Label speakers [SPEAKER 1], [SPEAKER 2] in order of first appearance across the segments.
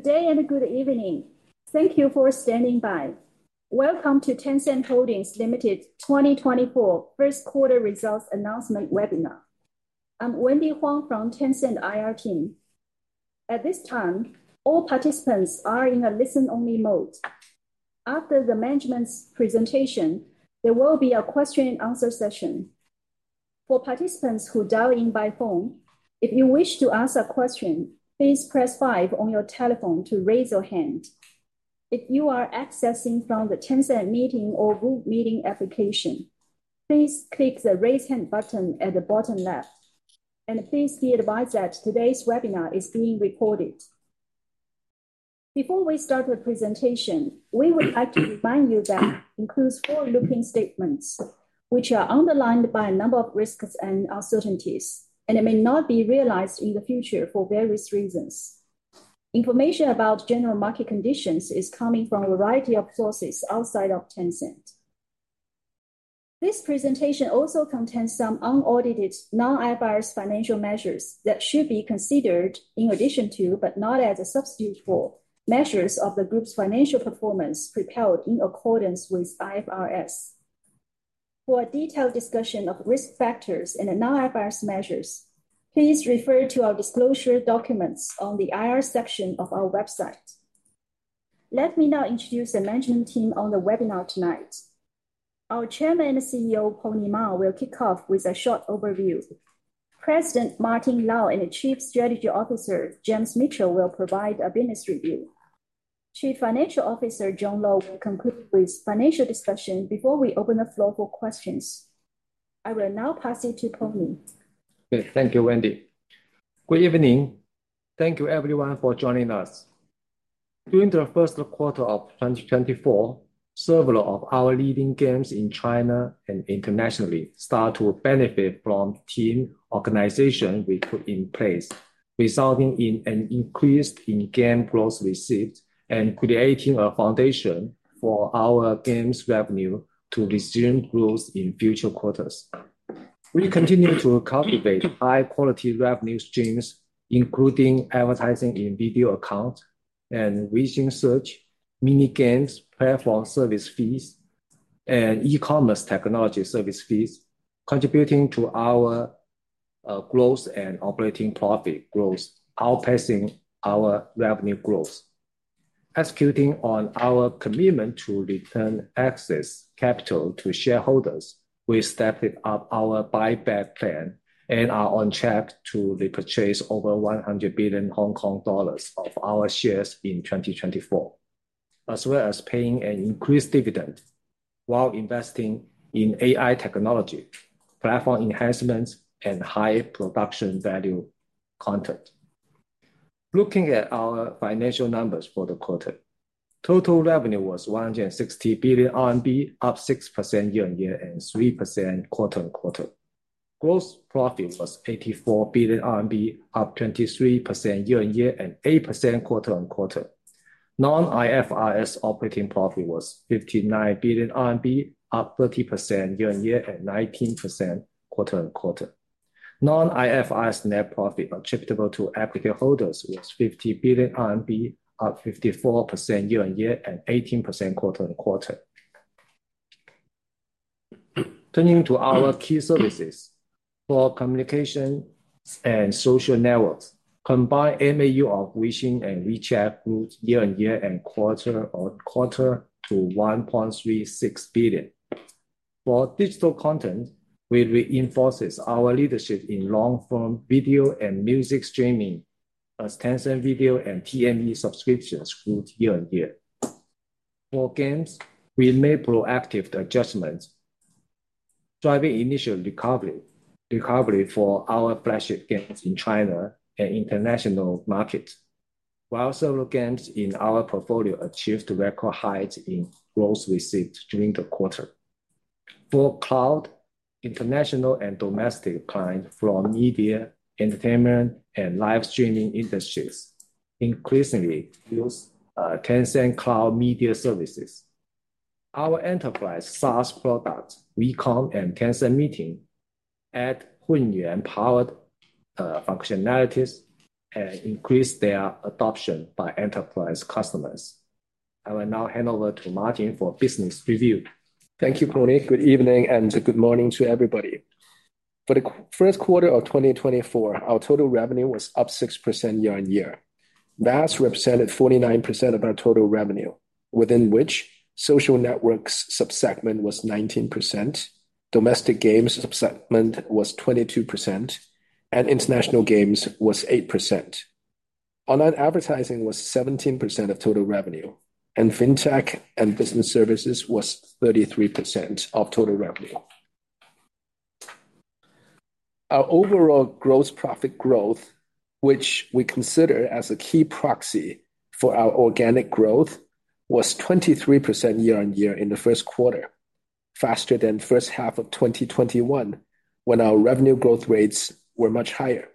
[SPEAKER 1] Good day and good evening. Thank you for standing by. Welcome to Tencent Holdings Limited 2024 first quarter results announcement webinar. I'm Wendy Huang from Tencent IR team. At this time, all participants are in a listen-only mode. After the management's presentation, there will be a question and answer session. For participants who dial in by phone, if you wish to ask a question, please press five on your telephone to raise your hand. If you are accessing from the Tencent Meeting or group meeting application, please click the Raise Hand button at the bottom left, and please be advised that today's webinar is being recorded. Before we start the presentation, we would like to remind you that includes forward-looking statements, which are underlined by a number of risks and uncertainties, and it may not be realized in the future for various reasons. Information about general market conditions is coming from a variety of sources outside of Tencent. This presentation also contains some unaudited, non-IFRS financial measures that should be considered in addition to, but not as a substitute for, measures of the group's financial performance prepared in accordance with IFRS. For a detailed discussion of risk factors and the non-IFRS measures, please refer to our disclosure documents on the IR section of our website. Let me now introduce the management team on the webinar tonight. Our chairman and CEO, Pony Ma, will kick off with a short overview. President Martin Lau and Chief Strategy Officer James Mitchell will provide a business review. Chief Financial Officer John Lo will conclude with financial discussion before we open the floor for questions. I will now pass it to Pony.
[SPEAKER 2] Thank you, Wendy. Good evening. Thank you everyone for joining us. During the first quarter of 2024, several of our leading games in China and internationally start to benefit from team organization we put in place, resulting in an increase in game gross receipts and creating a foundation for our games revenue to resume growth in future quarters. We continue to cultivate high quality revenue streams, including advertising in Video Accounts and WeChat Search, Mini Games, Platform Service Fees, and e-commerce technology service fees, contributing to our growth and operating profit growth, outpacing our revenue growth. Executing on our commitment to return excess capital to shareholders, we stepped up our buyback plan and are on track to repurchase over 100 billion Hong Kong dollars of our shares in 2024, as well as paying an increased dividend while investing in AI technology, platform enhancements, and high production value content. Looking at our financial numbers for the quarter, total revenue was 160 billion RMB, up six % year-on-year and three % quarter-on-quarter. Gross profit was 84 billion RMB, up 23% year-on-year and eight % quarter-on-quarter. Non-IFRS operating profit was 59 billion RMB, up 30% year-on-year and 19% quarter-on-quarter. Non-IFRS net profit attributable to equity holders was 50 billion RMB, up 54% year-on-year and 18% quarter-on-quarter. Turning to our key services, for communication and social networks, combined MAU of WeChat and Weixin year-on-year and quarter-on-quarter to 1.36 billion. For digital content, we reinforce our leadership in long-form video and music streaming as Tencent Video and TME subscriptions grew year-on-year. For games, we made proactive adjustments, driving initial recovery for our flagship games in China and international markets, while several games in our portfolio achieved record highs in gross receipts during the quarter. For cloud, international and domestic clients from media, entertainment, and live streaming industries increasingly use Tencent Cloud media services. Our enterprise SaaS products, WeCom and Tencent Meeting, add Hunyuan-powered functionalities and increase their adoption by enterprise customers. I will now hand over to Martin for business review.
[SPEAKER 3] Thank you, Pony. Good evening and good morning to everybody. For the first quarter of 2024, our total revenue was up six % year-on-year. That's represented 49% of our total revenue, within which social networks sub-segment was 19%, domestic games sub-segment was 22%, and international games was 8%. Online advertising was 17% of total revenue, and fintech and business services was 33% of total revenue. Our overall gross profit growth, which we consider as a key proxy for our organic growth, was 23% year-on-year in the first quarter, faster than first half of 2021, when our revenue growth rates were much higher.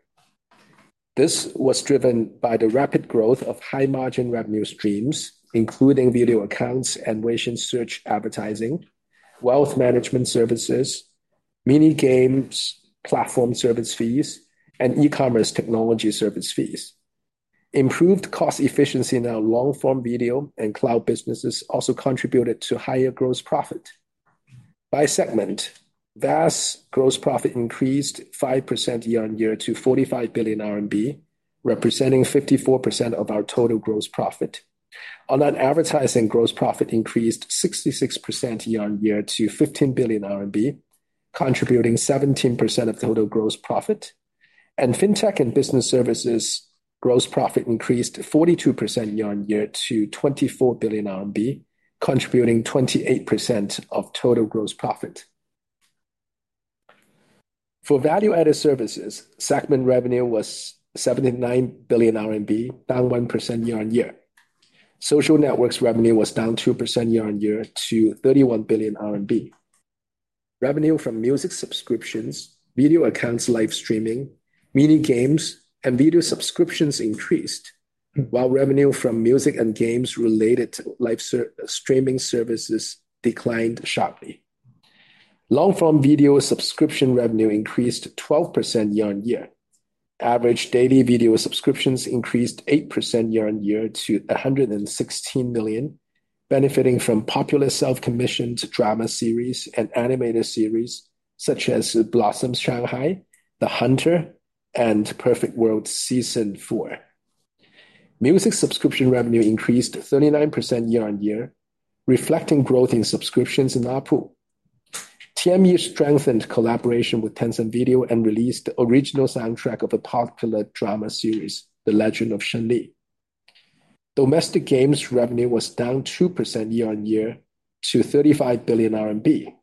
[SPEAKER 3] This was driven by the rapid growth of high-margin revenue streams, including Video Accounts and relation search advertising, Wealth Management Services, Mini Games, Platform Service Fees, and e-commerce technology service fees. Improved cost efficiency in our long-form video and cloud businesses also contributed to higher gross profit. By segment, VAS gross profit increased five % year-on-year to 45 billion RMB, representing 54% of our total gross profit. On that, advertising gross profit increased 66% year-on-year to 15 billion RMB, contributing 17% of total gross profit. Fintech and business services gross profit increased 42% year-on-year to 24 billion RMB, contributing 28% of total gross profit. For value-added services, segment revenue was 79 billion RMB, down one % year-on-year. Social networks revenue was down 2% year-on-year to 31 billion RMB. Revenue from music subscriptions, video accounts, live streaming, mini games, and video subscriptions increased, while revenue from music and games related to live streaming services declined sharply. Long-form video subscription revenue increased 12% year-on-year. Average daily video subscriptions increased three % year-on-year to 116 million, benefiting from popular self-commissioned drama series and animated series such as Blossoms Shanghai, The Hunter, and Perfect World Season 4. Music subscription revenue increased 39% year-on-year, reflecting growth in subscriptions in Apu. TMU strengthened collaboration with Tencent Video and released the original soundtrack of a popular drama series, The Legend of Shen Li. Domestic games revenue was down 2% year-on-year to 35 billion RMB.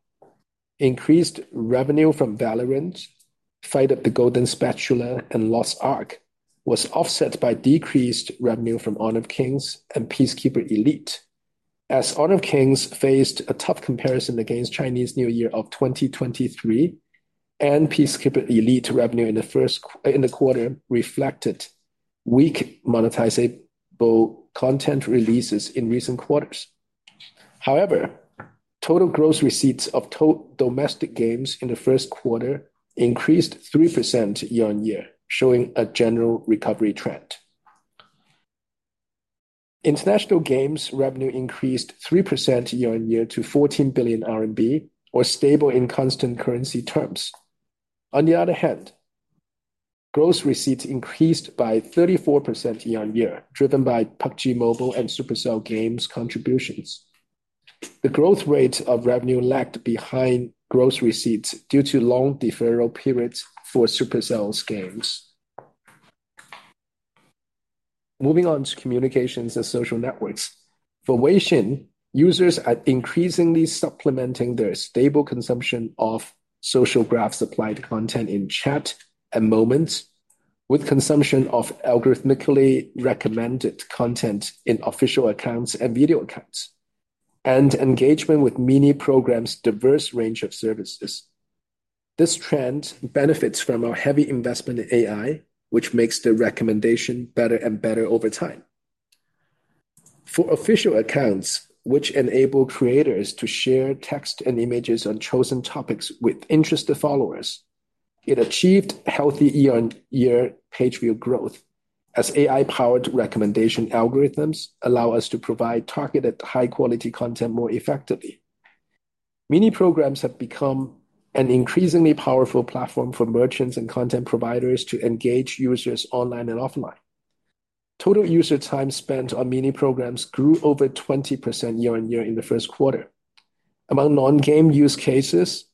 [SPEAKER 3] Increased revenue from Valorant, Fight of the Golden Spatula, and Lost Ark was offset by decreased revenue from Honor of Kings and Peacekeeper Elite. As Honor of Kings faced a tough comparison against Chinese New Year of 2023, and Peacekeeper Elite revenue in the first quarter reflected weak monetizable content releases in recent quarters. However, total gross receipts of domestic games in the first quarter increased 3% year-on-year, showing a general recovery trend. International games revenue increased three % year-on-year to 14 billion RMB, or stable in constant currency terms. On the other hand, gross receipts increased by 34% year-on-year, driven by PUBG Mobile and Supercell Games contributions. The growth rate of revenue lagged behind gross receipts due to long deferral periods for Supercell's games. Moving on to communications and social networks. For Weixin, users are increasingly supplementing their stable consumption of social graph-supplied content in chat and Moments, with consumption of algorithmically recommended content in Official Accounts and Video Accounts, and engagement with Mini Programs' diverse range of services. This trend benefits from our heavy investment in AI, which makes the recommendation better and better over time. For Official Accounts, which enable creators to share text and images on chosen topics with interested followers, it achieved healthy year-on-year page view growth, as AI-powered recommendation algorithms allow us to provide targeted, high-quality content more effectively. Mini Programs have become an increasingly powerful platform for merchants and content providers to engage users online and offline. Total user time spent on Mini Programs grew over 20% year-on-year in the first quarter. Among non-game use cases,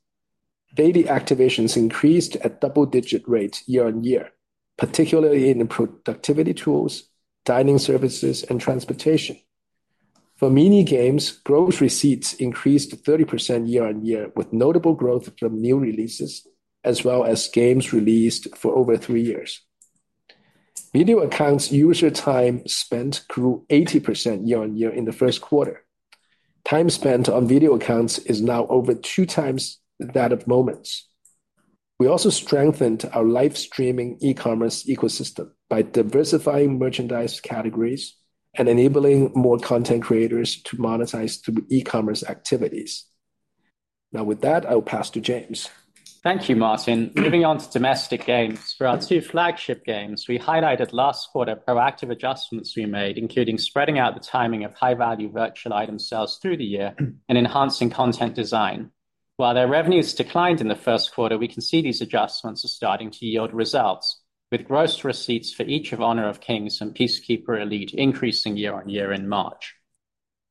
[SPEAKER 3] daily activations increased at double-digit rates year-on-year, particularly in the productivity tools, dining services, and transportation. For Mini Games, gross receipts increased 30% year-on-year, with notable growth from new releases, as well as games released for over three years. Video Accounts user time spent grew 80% year-on-year in the first quarter. Time spent on Video Accounts is now over two times that of Moments. We also strengthened our live streaming e-commerce ecosystem by diversifying merchandise categories and enabling more content creators to monetize through e-commerce activities. Now, with that, I will pass to James.
[SPEAKER 4] Thank you, Martin. Moving on to domestic games. For our two flagship games, we highlighted last quarter proactive adjustments we made, including spreading out the timing of high-value virtual item sales through the year and enhancing content design. While their revenues declined in the first quarter, we can see these adjustments are starting to yield results, with gross receipts for each of Honor of Kings and Peacekeeper Elite increasing year-on-year in March.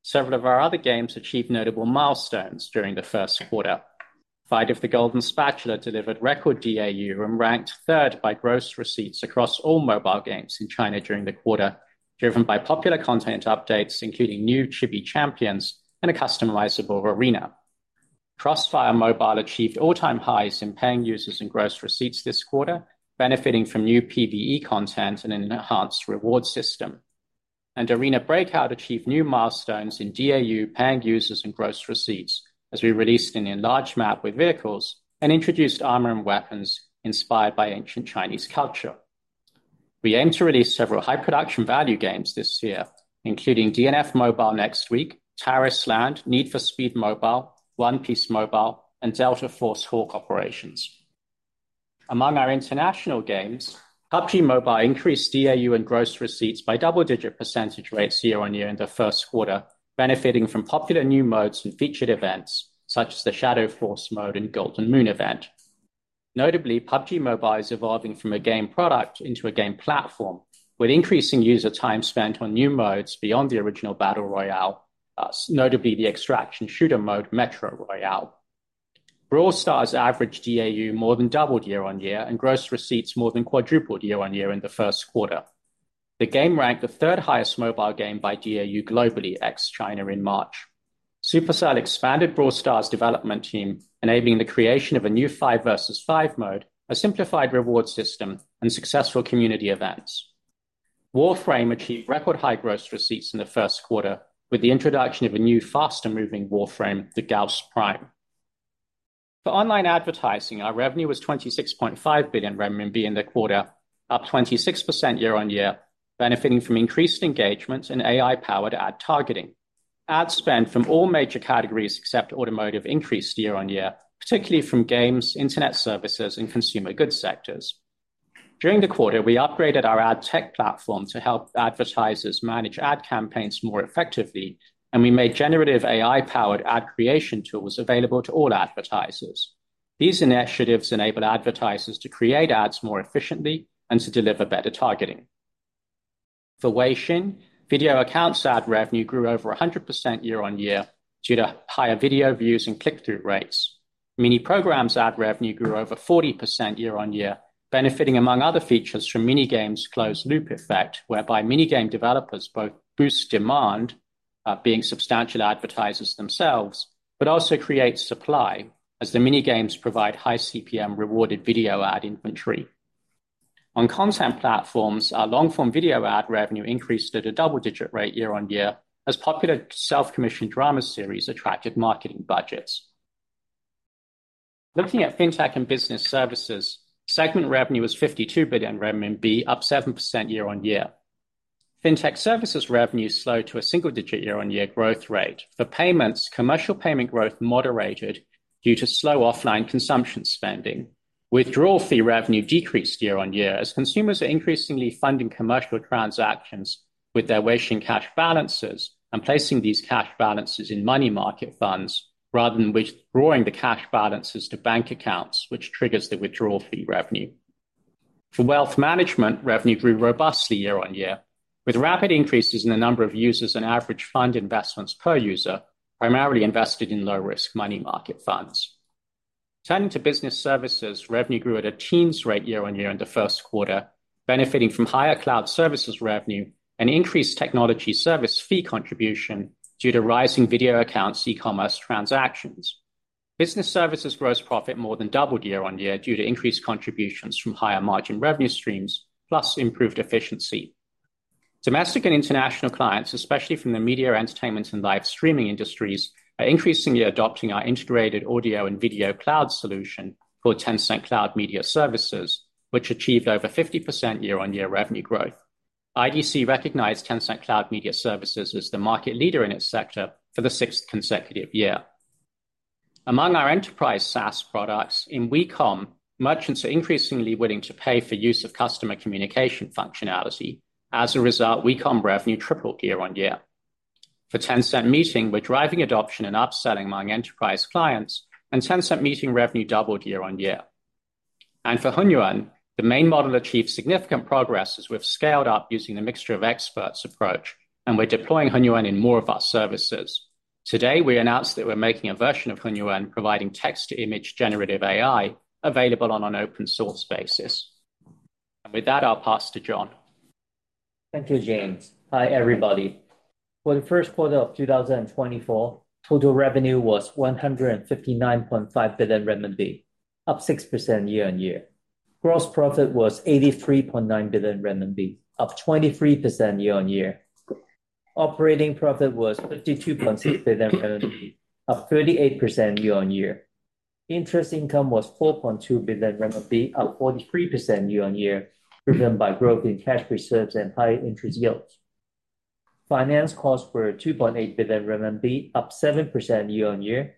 [SPEAKER 4] Several of our other games achieved notable milestones during the first quarter. Fight of the Golden Spatula delivered record DAU and ranked third by gross receipts across all mobile games in China during the quarter, driven by popular content updates, including new chibi champions and a customizable arena. CrossFire Mobile achieved all-time highs in paying users and gross receipts this quarter, benefiting from new PVE content and an enhanced reward system. Arena Breakout achieved new milestones in DAU, paying users, and gross receipts, as we released an enlarged map with vehicles and introduced armor and weapons inspired by ancient Chinese culture. We aim to release several high production value games this year, including DNF Mobile next week, Tarisland, Need for Speed Mobile, One Piece Mobile, and Delta Force Hawk Operations. Among our international games, PUBG Mobile increased DAU and gross receipts by double-digit % rates year-on-year in the first quarter, benefiting from popular new modes and featured events, such as the Shadow Force mode and Golden Moon event. Notably, PUBG Mobile is evolving from a game product into a game platform, with increasing user time spent on new modes beyond the original Battle Royale, thus notably the extraction shooter mode, Metro Royale. Brawl Stars average DAU more than doubled year-on-year, and gross receipts more than quadrupled year-on-year in the first quarter. The game ranked the third highest mobile game by DAU globally, ex-China in March. Supercell expanded Brawl Stars' development team, enabling the creation of a new five versus five mode, a simplified reward system, and successful community events. Warframe achieved record high gross receipts in the first quarter, with the introduction of a new, faster-moving Warframe, the Gauss Prime. For online advertising, our revenue was 26.5 billion RMB in the quarter, up 26% year-on-year, benefiting from increased engagement and AI-powered ad targeting. Ad spend from all major categories except automotive increased year-on-year, particularly from games, internet services, and consumer goods sectors. During the quarter, we upgraded our ad tech platform to help advertisers manage ad campaigns more effectively, and we made generative AI-powered ad creation tools available to all advertisers. These initiatives enabled advertisers to create ads more efficiently and to deliver better targeting. For Weixin, video accounts ad revenue grew over 100% year-on-year due to higher video views and click-through rates. Mini programs ad revenue grew over 40% year-on-year, benefiting, among other features, from mini games closed-loop effect, whereby mini game developers both boost demand, being substantial advertisers themselves, but also create supply, as the mini games provide high CPM rewarded video ad inventory. On content platforms, our long-form video ad revenue increased at a double-digit rate year-on-year, as popular self-commissioned drama series attracted marketing budgets. Looking at Fintech and business services, segment revenue was 52 billion RMB, up seven % year-on-year. Fintech services revenue slowed to a single-digit year-on-year growth rate. For payments, commercial payment growth moderated due to slow offline consumption spending. Withdrawal fee revenue decreased year-on-year, as consumers are increasingly funding commercial transactions with their Weixin cash balances and placing these cash balances in money market funds, rather than withdrawing the cash balances to bank accounts, which triggers the withdrawal fee revenue. For wealth management, revenue grew robustly year-on-year, with rapid increases in the number of users and average fund investments per user, primarily invested in low-risk money market funds. Turning to business services, revenue grew at a teens rate year-on-year in the first quarter, benefiting from higher cloud services revenue and increased technology service fee contribution due to rising Video Accounts e-commerce transactions. Business services gross profit more than doubled year-on-year due to increased contributions from higher margin revenue streams, plus improved efficiency. Domestic and international clients, especially from the media, entertainment, and live streaming industries, are increasingly adopting our integrated audio and video cloud solution for Tencent Cloud Media Services, which achieved over 50% year-on-year revenue growth. IDC recognized Tencent Cloud Media Services as the market leader in its sector for the sixth consecutive year. Among our enterprise SaaS products, in WeCom, merchants are increasingly willing to pay for use of customer communication functionality. As a result, WeCom revenue tripled year-on-year. For Tencent Meeting, we're driving adoption and upselling among enterprise clients, and Tencent Meeting revenue doubled year-on-year. And for Hunyuan, the main model achieved significant progress as we've scaled up using the mixture of experts approach, and we're deploying Hunyuan in more of our services. Today, we announced that we're making a version of Hunyuan, providing text-to-image generative AI available on an open source basis. With that, I'll pass to John.
[SPEAKER 5] Thank you, James. Hi, everybody. For the first quarter of 2024, total revenue was 159.5 billion RMB, up 6% year-on-year. Gross profit was 83.9 billion RMB, up 23% year-on-year. Operating profit was 52.6 billion RMB, up 38% year-on-year. Interest income was 4.2 billion RMB, up 43% year-on-year, driven by growth in cash reserves and higher interest yields. Finance costs were 2.8 billion RMB, up 7% year-on-year,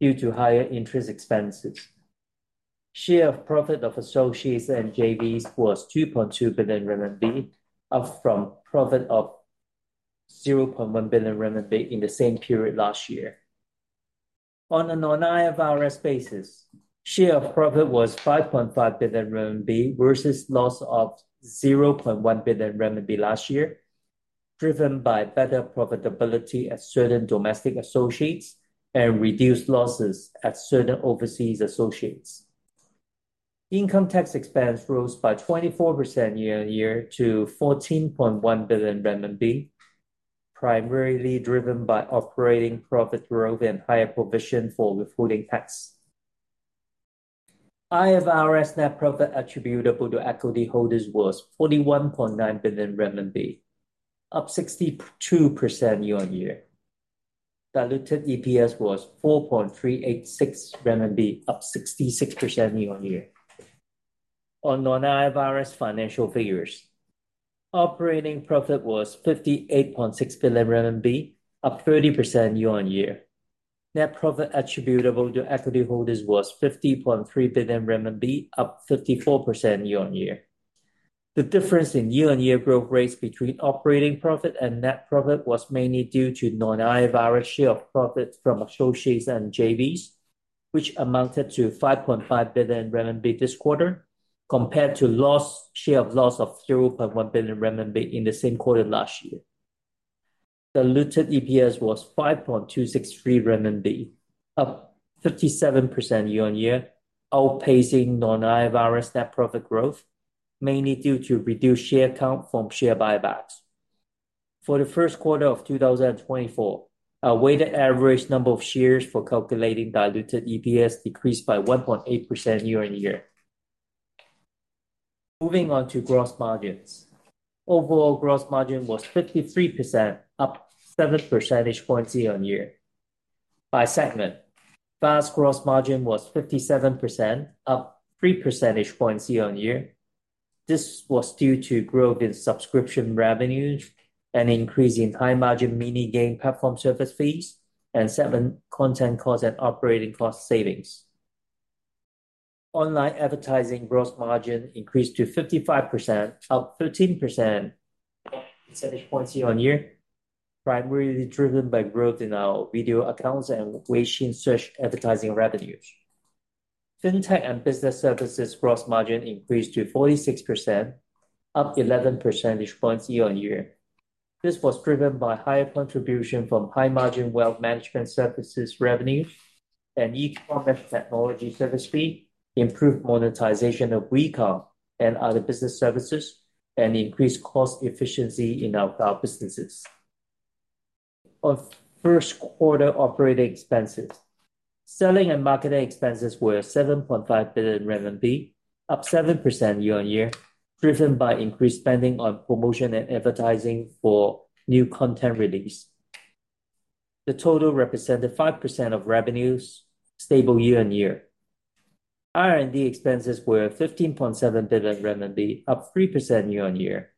[SPEAKER 5] due to higher interest expenses. Share of profit of associates and JVs was 2.2 billion RMB, up from profit of 0.1 billion RMB in the same period last year. On a non-IFRS basis, share of profit was 5.5 billion RMB versus loss of 0.1 billion RMB last year, driven by better profitability at certain domestic associates and reduced losses at certain overseas associates. Income tax expense rose by 24% year-on-year to 14.1 billion renminbi, primarily driven by operating profit growth and higher provision for withholding tax. IFRS net profit attributable to equity holders was 41.9 billion renminbi, up 62% year-on-year. Diluted EPS was 4.386 RMB, up 66% year-on-year. On non-IFRS financial figures, operating profit was 58.6 billion RMB, up 30% year-on-year. Net profit attributable to equity holders was 50.3 billion RMB, up 54% year-on-year. The difference in year-on-year growth rates between operating profit and net profit was mainly due to non-IFRS share of profits from associates and JVs, which amounted to 5.5 billion RMB this quarter, compared to a share of loss of 0.1 billion RMB in the same quarter last year. Diluted EPS was 5.263 RMB, up 57% year-on-year, outpacing non-IFRS net profit growth, mainly due to reduced share count from share buybacks. For the first quarter of 2024, our weighted average number of shares for calculating diluted EPS decreased by 1.8% year-on-year. Moving on to gross margins. Overall, gross margin was 53%, up 7 percentage points year-on-year. By segment, fast gross margin was 57%, up 3 percentage points year-on-year. This was due to growth in subscription revenues and an increase in high-margin mini game platform service fees and seven content cost and operating cost savings. Online advertising gross margin increased to 55%, up 13 percentage points year-on-year, primarily driven by growth in our Video Accounts and Weixin Search advertising revenues. Fintech and business services gross margin increased to 46%, up 11 percentage points year-on-year. This was driven by higher contribution from high-margin wealth management services revenue and e-commerce technology service fee, improved monetization of WeCom and other business services, and increased cost efficiency in our cloud businesses. On first quarter operating expenses, selling and marketing expenses were 7.5 billion RMB, up seven % year-on-year, driven by increased spending on promotion and advertising for new content release. The total represented 5% of revenues, stable year-on-year. R&D expenses were 15.7 billion RMB, up three %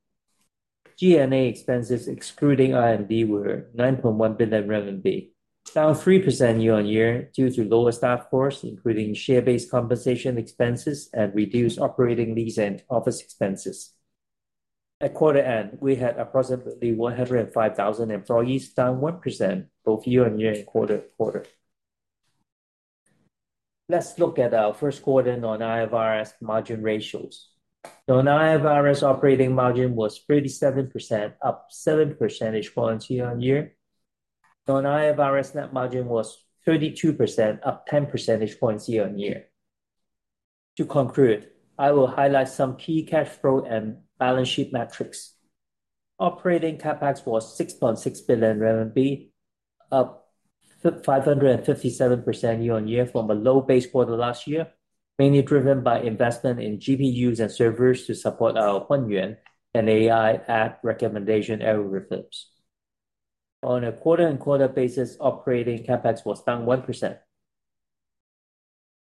[SPEAKER 5] year-on-year. GNA expenses, excluding R&D, were 9.1 billion RMB, down 3% year-on-year due to lower staff costs, including share-based compensation expenses and reduced operating lease and office expenses. At quarter end, we had approximately 105,000 employees, down 1%, both year-on-year and quarter-on-quarter. Let's look at our first quarter non-IFRS margin ratios. Non-IFRS operating margin was 37%, up seven percentage points year-on-year. Non-IFRS net margin was 32%, up ten percentage points year-on-year. To conclude, I will highlight some key cash flow and balance sheet metrics. Operating CapEx was 6.6 billion RMB, up 557% year-on-year from a low base quarter last year, mainly driven by investment in GPUs and servers to support our Hunyuan and AI ad recommendation algorithms. On a quarter-on-quarter basis, operating CapEx was down one %.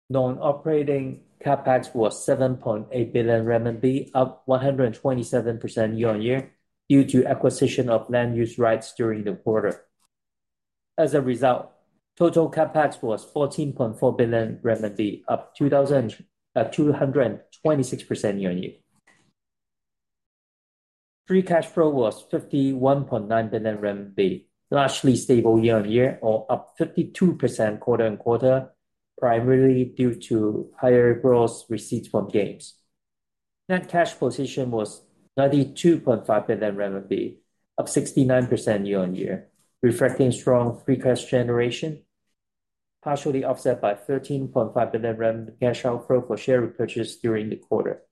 [SPEAKER 5] Non-operating CapEx was CNY 7.8 billion, up 127% year-on-year, due to acquisition of land use rights during the quarter. As a result, total CapEx was 14.4 billion RMB, up 2,226% year-on-year. Free cash flow was 51.9 billion RMB, largely stable year-on-year or up 52% quarter-on-quarter, primarily due to higher gross receipts from games. Net cash position was 92.5 billion RMB, up 69% year-on-year, reflecting strong free cash generation, partially offset by 13.5 billion cash outflow for share repurchase during the quarter.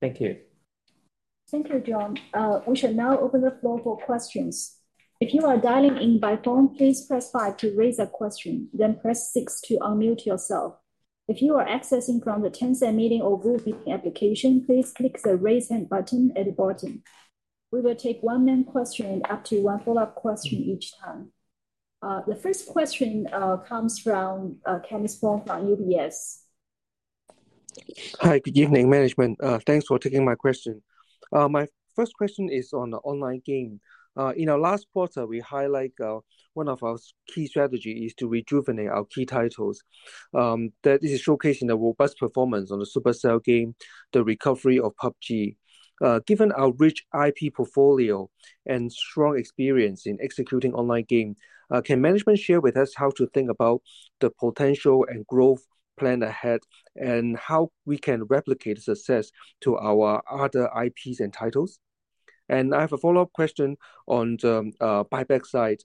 [SPEAKER 5] Thank you.
[SPEAKER 1] Thank you, John. We shall now open the floor for questions. If you are dialing in by phone, please press five to raise a question, then press six to unmute yourself. If you are accessing from the Tencent Meeting or web meeting application, please click the Raise Hand button at the bottom. We will take one main question and up to one follow-up question each time. The first question comes from Kenneth Fong from UBS. Hi. Good evening, management. Thanks for taking my question. My first question is on the online game. In our last quarter, we highlight, one of our key strategy is to rejuvenate our key titles, that is showcasing a robust performance on the Supercell game, the recovery of PUBG. Given our rich IP portfolio and strong experience in executing online game, can management share with us how to think about the potential and growth plan ahead, and how we can replicate success to our other IPs and titles? And I have a follow-up question on the, buyback side.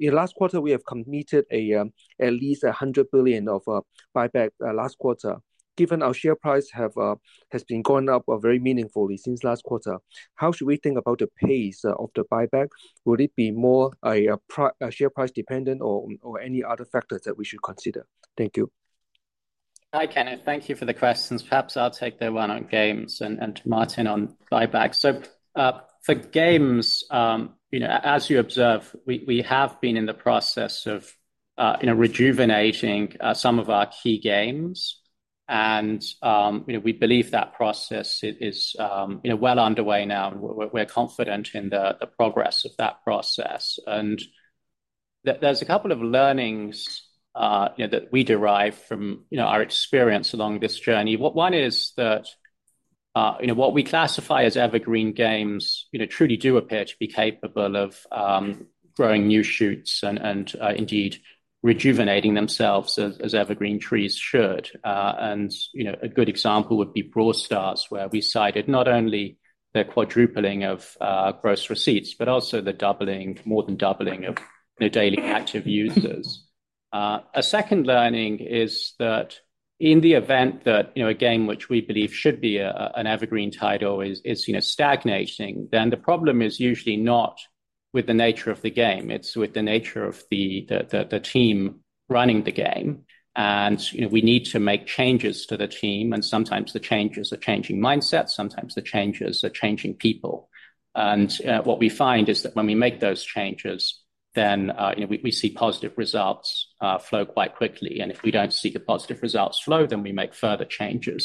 [SPEAKER 1] In last quarter, we have committed a, at least 100 billion of, buyback, last quarter.
[SPEAKER 6] Given our share price have, has been going up very meaningfully since last quarter, how should we think about the pace of the buyback? Would it be more share price dependent or, or any other factors that we should consider? Thank you....
[SPEAKER 4] Hi, Kenneth. Thank you for the questions. Perhaps I'll take the one on games and Martin on buyback. So, for games, you know, as you observe, we have been in the process of, you know, rejuvenating some of our key games. And, you know, we believe that process is, you know, well underway now, and we're confident in the progress of that process. And there's a couple of learnings, you know, that we derive from, you know, our experience along this journey. One is that, you know, what we classify as evergreen games, you know, truly do appear to be capable of growing new shoots and indeed rejuvenating themselves as evergreen trees should. And, you know, a good example would be Brawl Stars, where we cited not only the quadrupling of gross receipts, but also the doubling, more than doubling of, you know, daily active users. A second learning is that in the event that, you know, a game which we believe should be an evergreen title is stagnating, then the problem is usually not with the nature of the game, it's with the nature of the team running the game. And, you know, we need to make changes to the team, and sometimes the changes are changing mindsets, sometimes the changes are changing people. And what we find is that when we make those changes, then, you know, we see positive results flow quite quickly. And if we don't see the positive results flow, then we make further changes.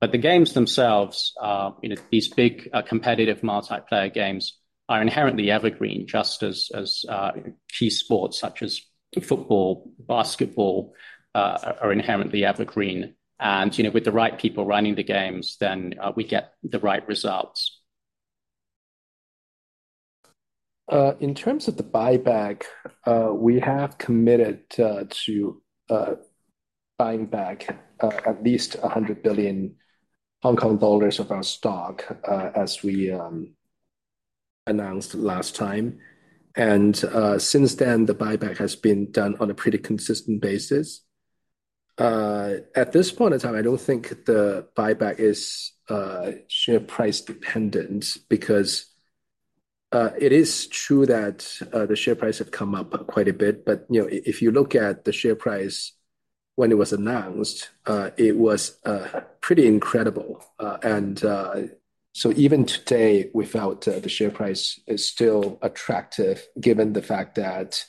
[SPEAKER 4] But the games themselves, you know, these big, competitive multiplayer games are inherently evergreen, just as key sports such as football, basketball, are inherently evergreen. And, you know, with the right people running the games, then, we get the right results.
[SPEAKER 3] In terms of the buyback, we have committed to buying back at least 100 billion Hong Kong dollars of our stock, as we announced last time. Since then, the buyback has been done on a pretty consistent basis. At this point in time, I don't think the buyback is share price dependent, because it is true that the share price have come up quite a bit, but, you know, if you look at the share price when it was announced, it was pretty incredible. Even today, without the share price is still attractive, given the fact that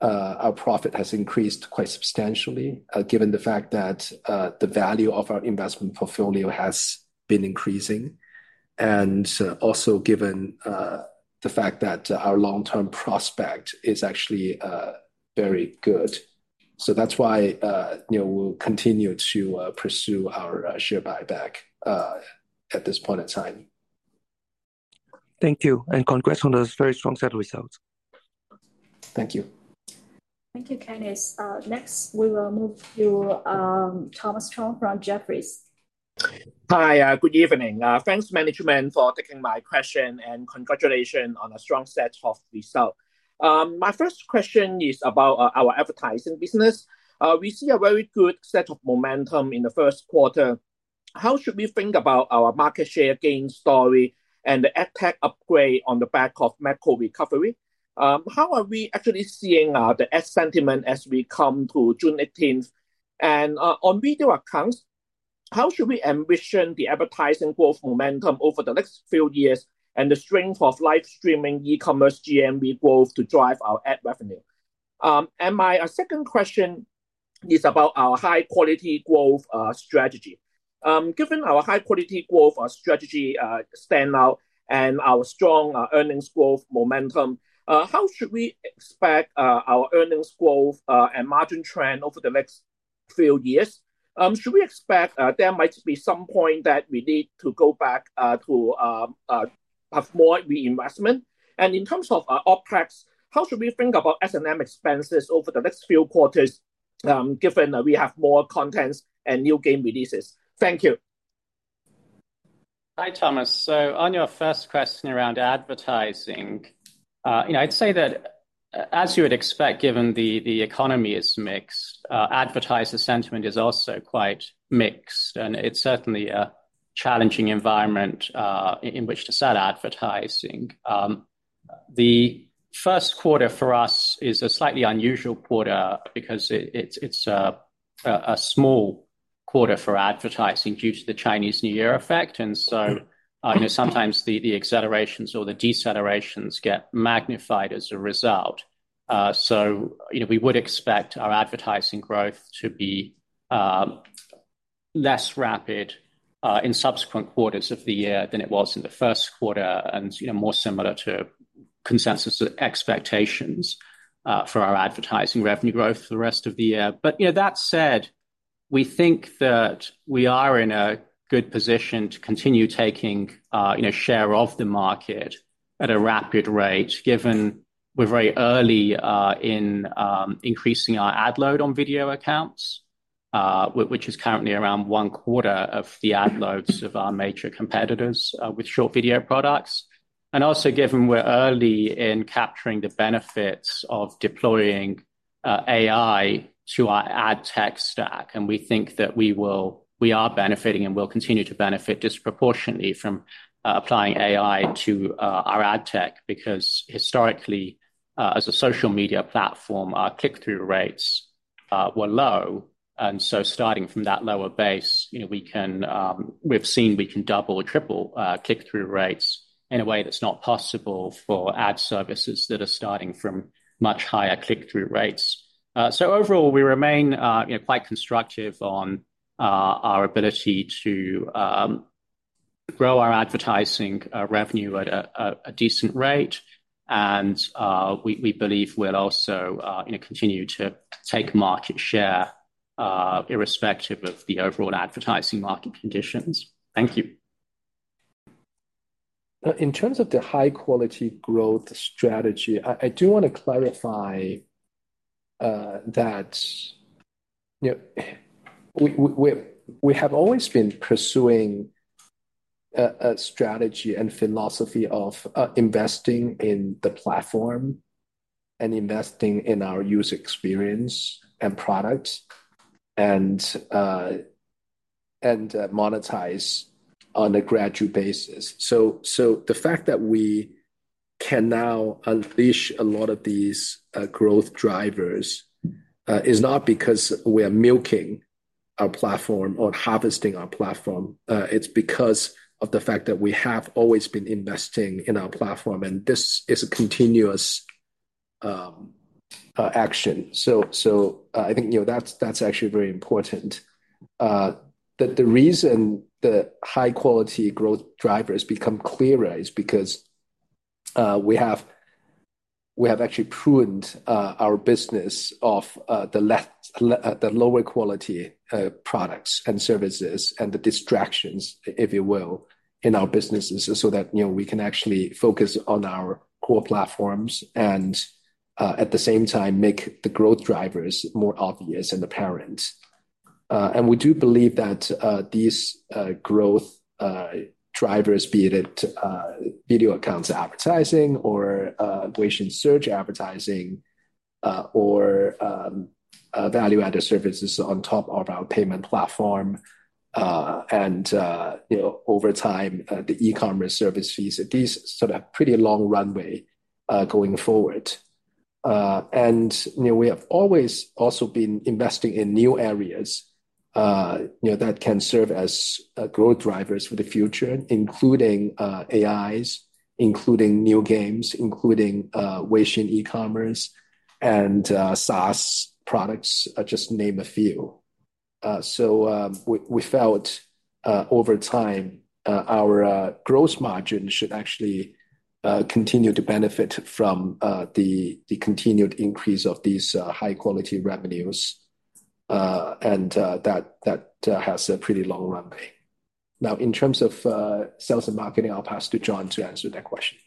[SPEAKER 3] our profit has increased quite substantially, given the fact that the value of our investment portfolio has been increasing, and also given the fact that our long-term prospect is actually very good. So that's why, you know, we'll continue to pursue our share buyback at this point in time.
[SPEAKER 7] Thank you, and congrats on those very strong set of results.
[SPEAKER 3] Thank you.
[SPEAKER 1] Thank you, Kenneth. Next, we will move to Thomas Chong from Jefferies.
[SPEAKER 8] Hi, good evening. Thanks, management, for taking my question, and congratulations on a strong set of results. My first question is about our advertising business. We see a very good set of momentum in the first quarter. How should we think about our market share gain story and the ad tech upgrade on the back of macro recovery? How are we actually seeing the ad sentiment as we come to June eighteenth? And, on Video Accounts, how should we envision the advertising growth momentum over the next few years and the strength of live streaming e-commerce GMV growth to drive our ad revenue? And my second question is about our high-quality growth strategy. Given our high-quality growth, our strategy stand out and our strong earnings growth momentum, how should we expect our earnings growth and margin trend over the next few years? Should we expect there might be some point that we need to go back to have more reinvestment? And in terms of OpEx, how should we think about S&M expenses over the next few quarters, given that we have more contents and new game releases? Thank you.
[SPEAKER 4] Hi, Thomas. So on your first question around advertising, you know, I'd say that as you would expect, given the economy is mixed, advertiser sentiment is also quite mixed, and it's certainly a challenging environment in which to sell advertising. The first quarter for us is a slightly unusual quarter because it's a small quarter for advertising due to the Chinese New Year effect. And so, you know, sometimes the accelerations or the decelerations get magnified as a result. So, you know, we would expect our advertising growth to be less rapid in subsequent quarters of the year than it was in the first quarter, and, you know, more similar to consensus expectations for our advertising revenue growth for the rest of the year. But, you know, that said, we think that we are in a good position to continue taking, you know, share of the market at a rapid rate, given we're very early in increasing our ad load on Video Accounts, which is currently around one quarter of the ad loads of our major competitors with short video products. And also, given we're early in capturing the benefits of deploying AI to our ad tech stack, and we think that we will- we are benefiting and will continue to benefit disproportionately from applying AI to our ad tech, because historically, as a social media platform, our click-through rates-... We're low, and so starting from that lower base, you know, we can, we've seen we can double or triple click-through rates in a way that's not possible for ad services that are starting from much higher click-through rates. So overall, we remain, you know, quite constructive on our ability to grow our advertising revenue at a decent rate. And we believe we'll also, you know, continue to take market share irrespective of the overall advertising market conditions. Thank you.
[SPEAKER 3] In terms of the high-quality growth strategy, I do want to clarify that, you know, we have always been pursuing a strategy and philosophy of investing in the platform and investing in our user experience and products, and monetize on a gradual basis. So the fact that we can now unleash a lot of these growth drivers is not because we are milking our platform or harvesting our platform. It's because of the fact that we have always been investing in our platform, and this is a continuous action. So I think, you know, that's actually very important. The reason the high-quality growth drivers become clearer is because we have actually pruned our business of the lower quality products and services and the distractions, if you will, in our businesses, so that, you know, we can actually focus on our core platforms and, at the same time, make the growth drivers more obvious and apparent. And we do believe that these growth drivers, be it Video Accounts advertising or Weixin Search advertising, or value-added services on top of our payment platform, and, you know, over time, the e-commerce service fees, these sort of have pretty long runway going forward. And, you know, we have always also been investing in new areas, you know, that can serve as growth drivers for the future, including AIs, including new games, including Weixin e-commerce and SaaS products, just to name a few. So, we felt, over time, our growth margin should actually continue to benefit from the continued increase of these high-quality revenues, and that has a pretty long runway. Now, in terms of sales and marketing, I'll pass to John to answer that question.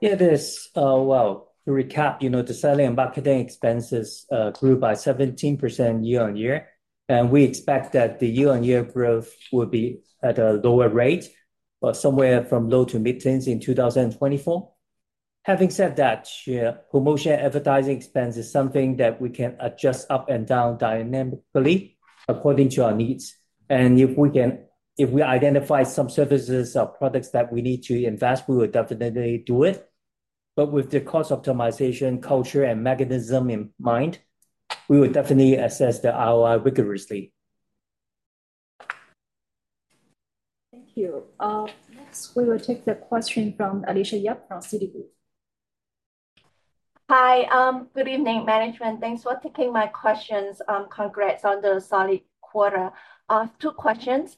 [SPEAKER 5] It is, well, to recap, you know, the selling and marketing expenses grew by 17% year-on-year, and we expect that the year-on-year growth will be at a lower rate, somewhere from low- to mid-teens in 2024. Having said that, yeah, promotion advertising expense is something that we can adjust up and down dynamically according to our needs. And if we identify some services or products that we need to invest, we will definitely do it. But with the cost optimization, culture, and mechanism in mind, we will definitely assess the ROI rigorously.
[SPEAKER 1] Thank you. Next, we will take the question from Alicia Yap from Citigroup.
[SPEAKER 9] Hi. Good evening, management. Thanks for taking my questions. Congrats on the solid quarter. Two questions.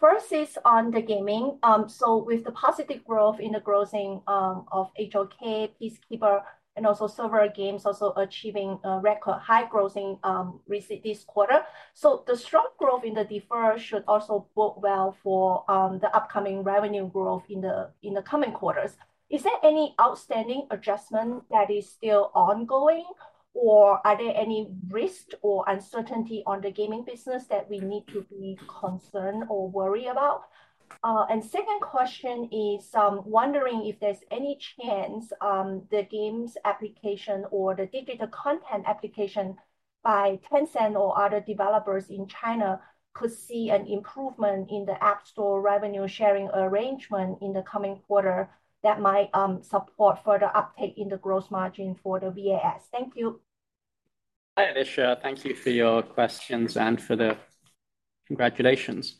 [SPEAKER 9] First is on the gaming. So with the positive growth in the grossing of HOK, Peacekeeper, and also several games also achieving record high grossing recently this quarter. So the strong growth in the deferred should also bode well for the upcoming revenue growth in the coming quarters. Is there any outstanding adjustment that is still ongoing, or are there any risk or uncertainty on the gaming business that we need to be concerned or worry about? Second question is, I'm wondering if there's any chance the games application or the digital content application by Tencent or other developers in China could see an improvement in the App Store revenue-sharing arrangement in the coming quarter that might support further uptake in the growth margin for the VAS. Thank you.
[SPEAKER 4] Hi, Alicia. Thank you for your questions and for the congratulations.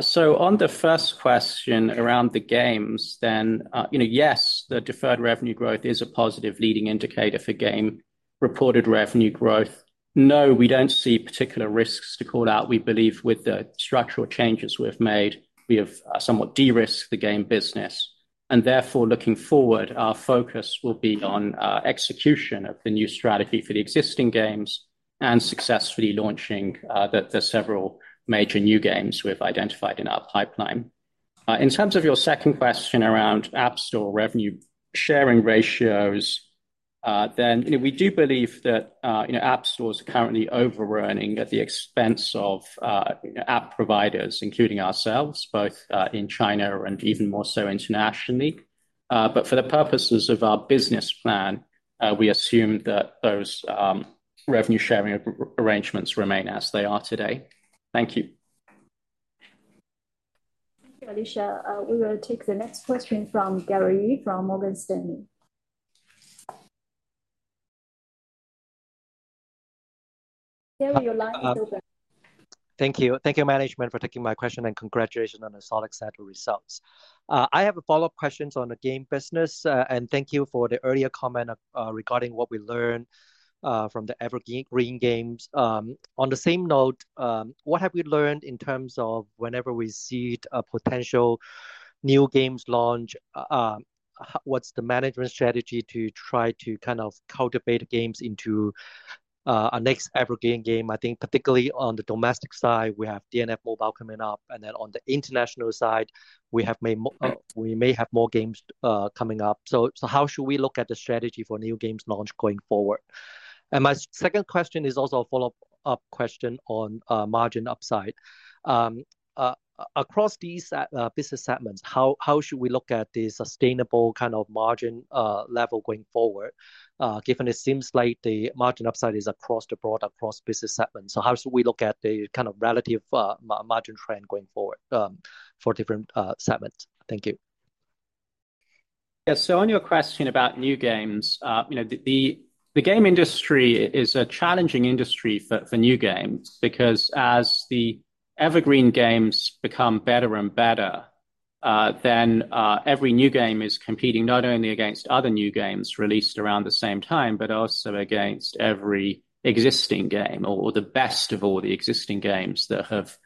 [SPEAKER 4] So on the first question around the games, then, you know, yes, the deferred revenue growth is a positive leading indicator for game reported revenue growth. No, we don't see particular risks to call out. We believe with the structural changes we've made, we have somewhat de-risked the game business, and therefore, looking forward, our focus will be on execution of the new strategy for the existing games and successfully launching the several major new games we've identified in our pipeline. In terms of your second question around App Store revenue sharing ratios, then, you know, we do believe that, you know, App Stores are currently overrunning at the expense of app providers, including ourselves, both in China and even more so internationally. But for the purposes of our business plan, we assume that those revenue sharing arrangements remain as they are today. Thank you....
[SPEAKER 1] Thank you, Alicia. We will take the next question from Gary from Morgan Stanley. Gary, you're live.
[SPEAKER 10] Thank you. Thank you, management, for taking my question, and congratulations on the solid set of results. I have a follow-up questions on the game business, and thank you for the earlier comment, regarding what we learned, from the evergreen games. On the same note, what have we learned in terms of whenever we see a potential new games launch? What's the management strategy to try to kind of cultivate games into, a next evergreen game? I think particularly on the domestic side, we have DNF Mobile coming up, and then on the international side, we have made more, we may have more games, coming up. So, so how should we look at the strategy for new games launch going forward? And my second question is also a follow-up question on, margin upside. Across these business segments, how should we look at the sustainable kind of margin level going forward, given it seems like the margin upside is across the board, across business segments? So how should we look at the kind of relative margin trend going forward, for different segments? Thank you.
[SPEAKER 4] Yeah, so on your question about new games, you know, the game industry is a challenging industry for new games because as the evergreen games become better and better, then every new game is competing not only against other new games released around the same time, but also against every existing game or the best of all the existing games that have,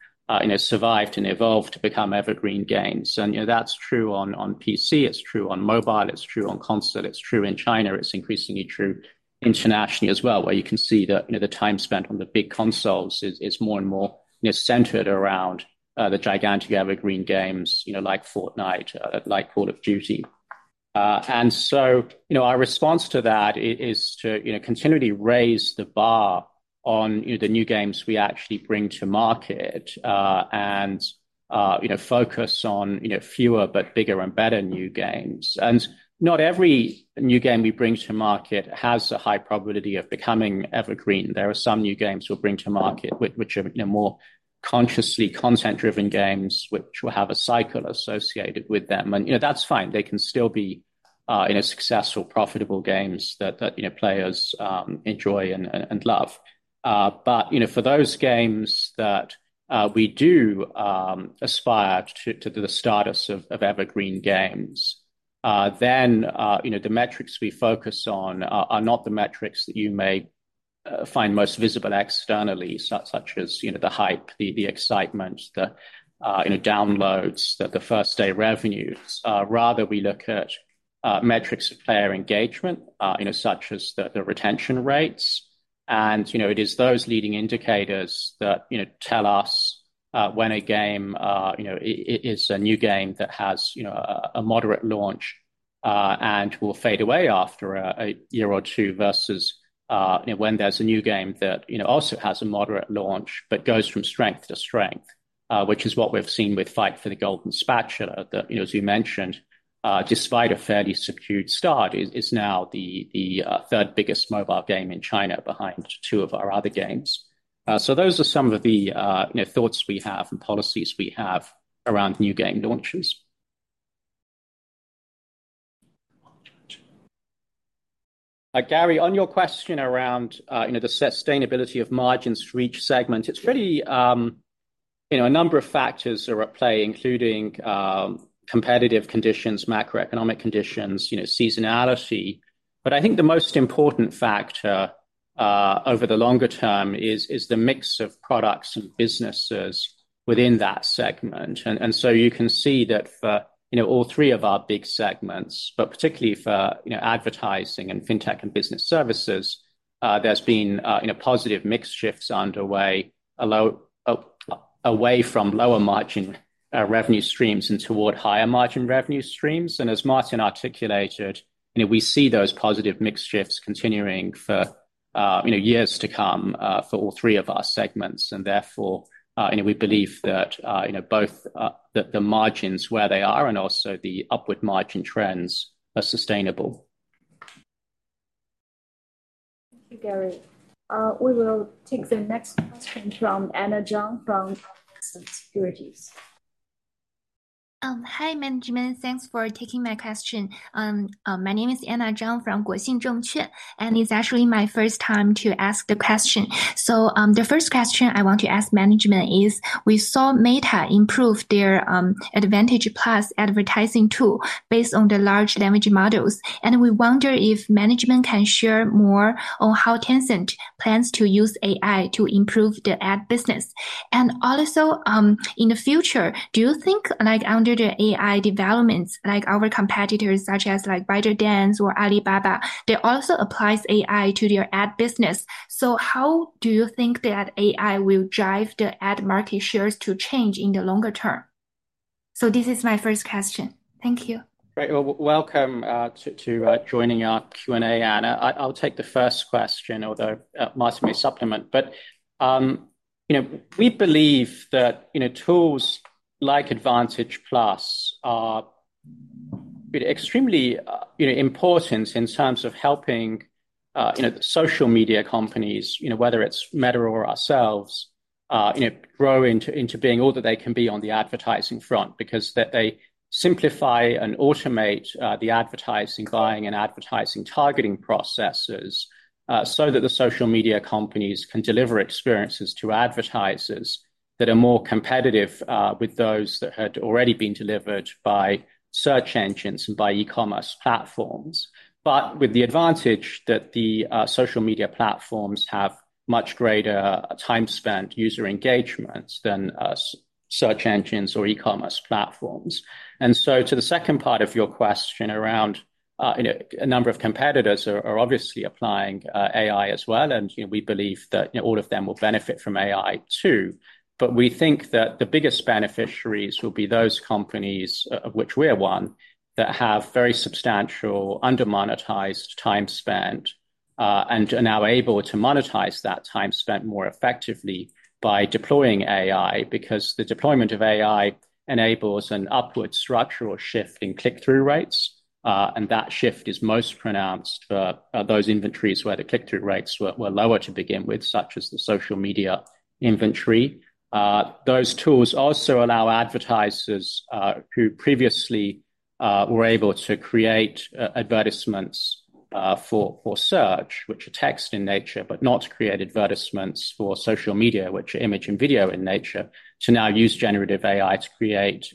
[SPEAKER 4] you know, survived and evolved to become evergreen games. And, you know, that's true on PC, it's true on mobile, it's true on console, it's true in China, it's increasingly true internationally as well, where you can see that, you know, the time spent on the big consoles is more and more, you know, centered around the gigantic evergreen games, you know, like Fortnite, like Call of Duty. So, you know, our response to that is to, you know, continually raise the bar on, you know, the new games we actually bring to market, and, you know, focus on, you know, fewer but bigger and better new games. And not every new game we bring to market has a high probability of becoming evergreen. There are some new games we'll bring to market which are, you know, more consciously content-driven games, which will have a cycle associated with them. And, you know, that's fine. They can still be, you know, successful, profitable games that, you know, players enjoy and love. But, you know, for those games that we do aspire to the status of evergreen games, then, you know, the metrics we focus on are not the metrics that you may find most visible externally, such as, you know, the hype, the excitement, the downloads, the first-day revenues. Rather, we look at metrics of player engagement, you know, such as the retention rates. You know, it is those leading indicators that, you know, tell us when a game, you know, is a new game that has, you know, a moderate launch and will fade away after a year or two versus, you know, when there's a new game that, you know, also has a moderate launch, but goes from strength to strength, which is what we've seen with Fight of the Golden Spatula, that, you know, as you mentioned, despite a fairly subdued start, is now the third biggest mobile game in China behind two of our other games. So those are some of the, you know, thoughts we have and policies we have around new game launches. Gary, on your question around, you know, the sustainability of margins for each segment, it's really... You know, a number of factors are at play, including, competitive conditions, macroeconomic conditions, you know, seasonality. But I think the most important factor, over the longer term is the mix of products and businesses within that segment. And so you can see that for, you know, all three of our big segments, but particularly for, you know, advertising and fintech and business services, there's been, you know, positive mix shifts underway, slowly away from lower-margin revenue streams and toward higher-margin revenue streams. And as Martin articulated, you know, we see those positive mix shifts continuing for, you know, years to come, for all three of our segments, and therefore, you know, we believe that, you know, both the margins where they are and also the upward margin trends are sustainable.
[SPEAKER 1] Thank you, Gary. We will take the next question from Anna Zhang from Guosen Securities.
[SPEAKER 11] Hi, management. Thanks for taking my question. My name is Anna Zhang from Guosen Securities, and it's actually my first time to ask the question. So, the first question I want to ask management is, we saw Meta improve their Advantage+ advertising tool based on the large language models, and we wonder if management can share more on how Tencent plans to use AI to improve the ad business. And also, in the future, do you think, like, under the AI developments, like our competitors, such as, like, ByteDance or Alibaba, they also applies AI to their ad business. So how do you think that AI will drive the ad market shares to change in the longer term? So this is my first question. Thank you.
[SPEAKER 4] Great. Well, welcome to joining our Q&A, Anna. I'll take the first question, although Martin may supplement. But you know, we believe that, you know, tools like Advantage+ are extremely, you know, important in terms of helping, you know, social media companies, you know, whether it's Meta or ourselves, you know, grow into being all that they can be on the advertising front. Because they simplify and automate the advertising buying and advertising targeting processes, so that the social media companies can deliver experiences to advertisers that are more competitive with those that had already been delivered by search engines and by e-commerce platforms. But with the advantage that the social media platforms have much greater time spent user engagements than search engines or e-commerce platforms. And so to the second part of your question around, you know, a number of competitors are obviously applying AI as well, and, you know, we believe that, you know, all of them will benefit from AI, too. But we think that the biggest beneficiaries will be those companies, of which we are one, that have very substantial under-monetized time spent, and are now able to monetize that time spent more effectively by deploying AI. Because the deployment of AI enables an upward structural shift in click-through rates, and that shift is most pronounced for those inventories where the click-through rates were lower to begin with, such as the social media inventory. Those tools also allow advertisers who previously were able to create advertisements for search, which are text in nature, but not to create advertisements for social media, which are image and video in nature, to now use generative AI to create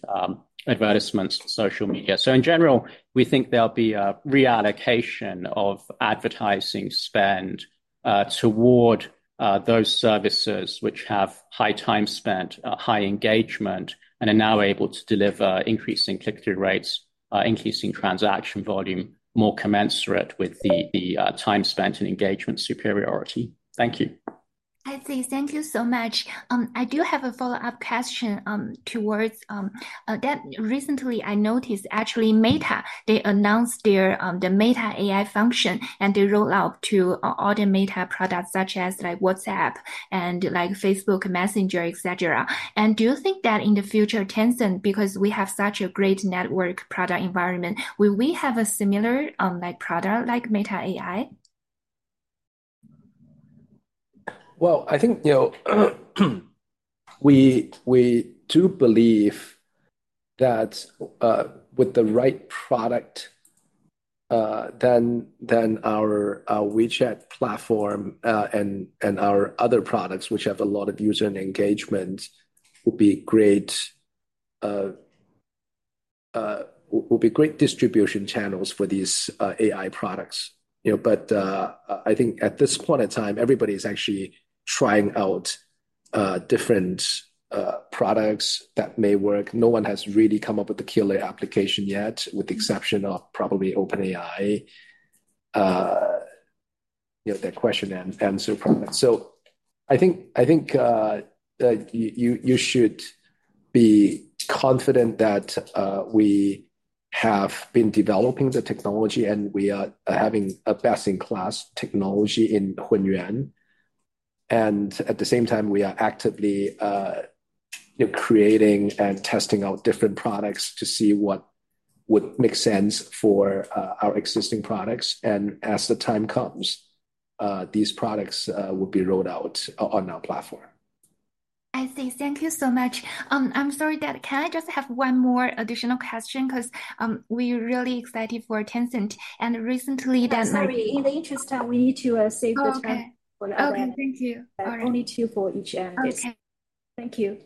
[SPEAKER 4] advertisements on social media. So in general, we think there'll be a reallocation of advertising spend toward those services which have high time spent, high engagement, and are now able to deliver increasing click-through rates, increasing transaction volume more commensurate with the time spent and engagement superiority. Thank you.
[SPEAKER 12] I see. Thank you so much. I do have a follow-up question. Recently, I noticed, actually, Meta. They announced their the Meta AI function, and they roll out to all the Meta products such as like WhatsApp and like Facebook Messenger, et cetera. Do you think that in the future, Tencent, because we have such a great network product environment, will we have a similar like product like Meta AI?
[SPEAKER 3] Well, I think, you know, we do believe that with the right product, then our WeChat platform and our other products, which have a lot of user engagement, will be great distribution channels for these AI products. You know, but I think at this point in time, everybody's actually trying out different products that may work. No one has really come up with a killer application yet, with the exception of probably OpenAI, you know, their question and answer product. So I think you should be confident that we have been developing the technology, and we are having a best-in-class technology in Hunyuan. At the same time, we are actively, you know, creating and testing out different products to see what would make sense for our existing products. As the time comes, these products will be rolled out on our platform.
[SPEAKER 11] I see. Thank you so much. I'm sorry that, can I just have one more additional question? 'Cause, we're really excited for Tencent, and recently there-
[SPEAKER 1] Sorry, in the interest of time, we need to save the time for the other-
[SPEAKER 11] Okay. Thank you.
[SPEAKER 1] Only two for each analyst.
[SPEAKER 11] Okay.
[SPEAKER 1] Thank you.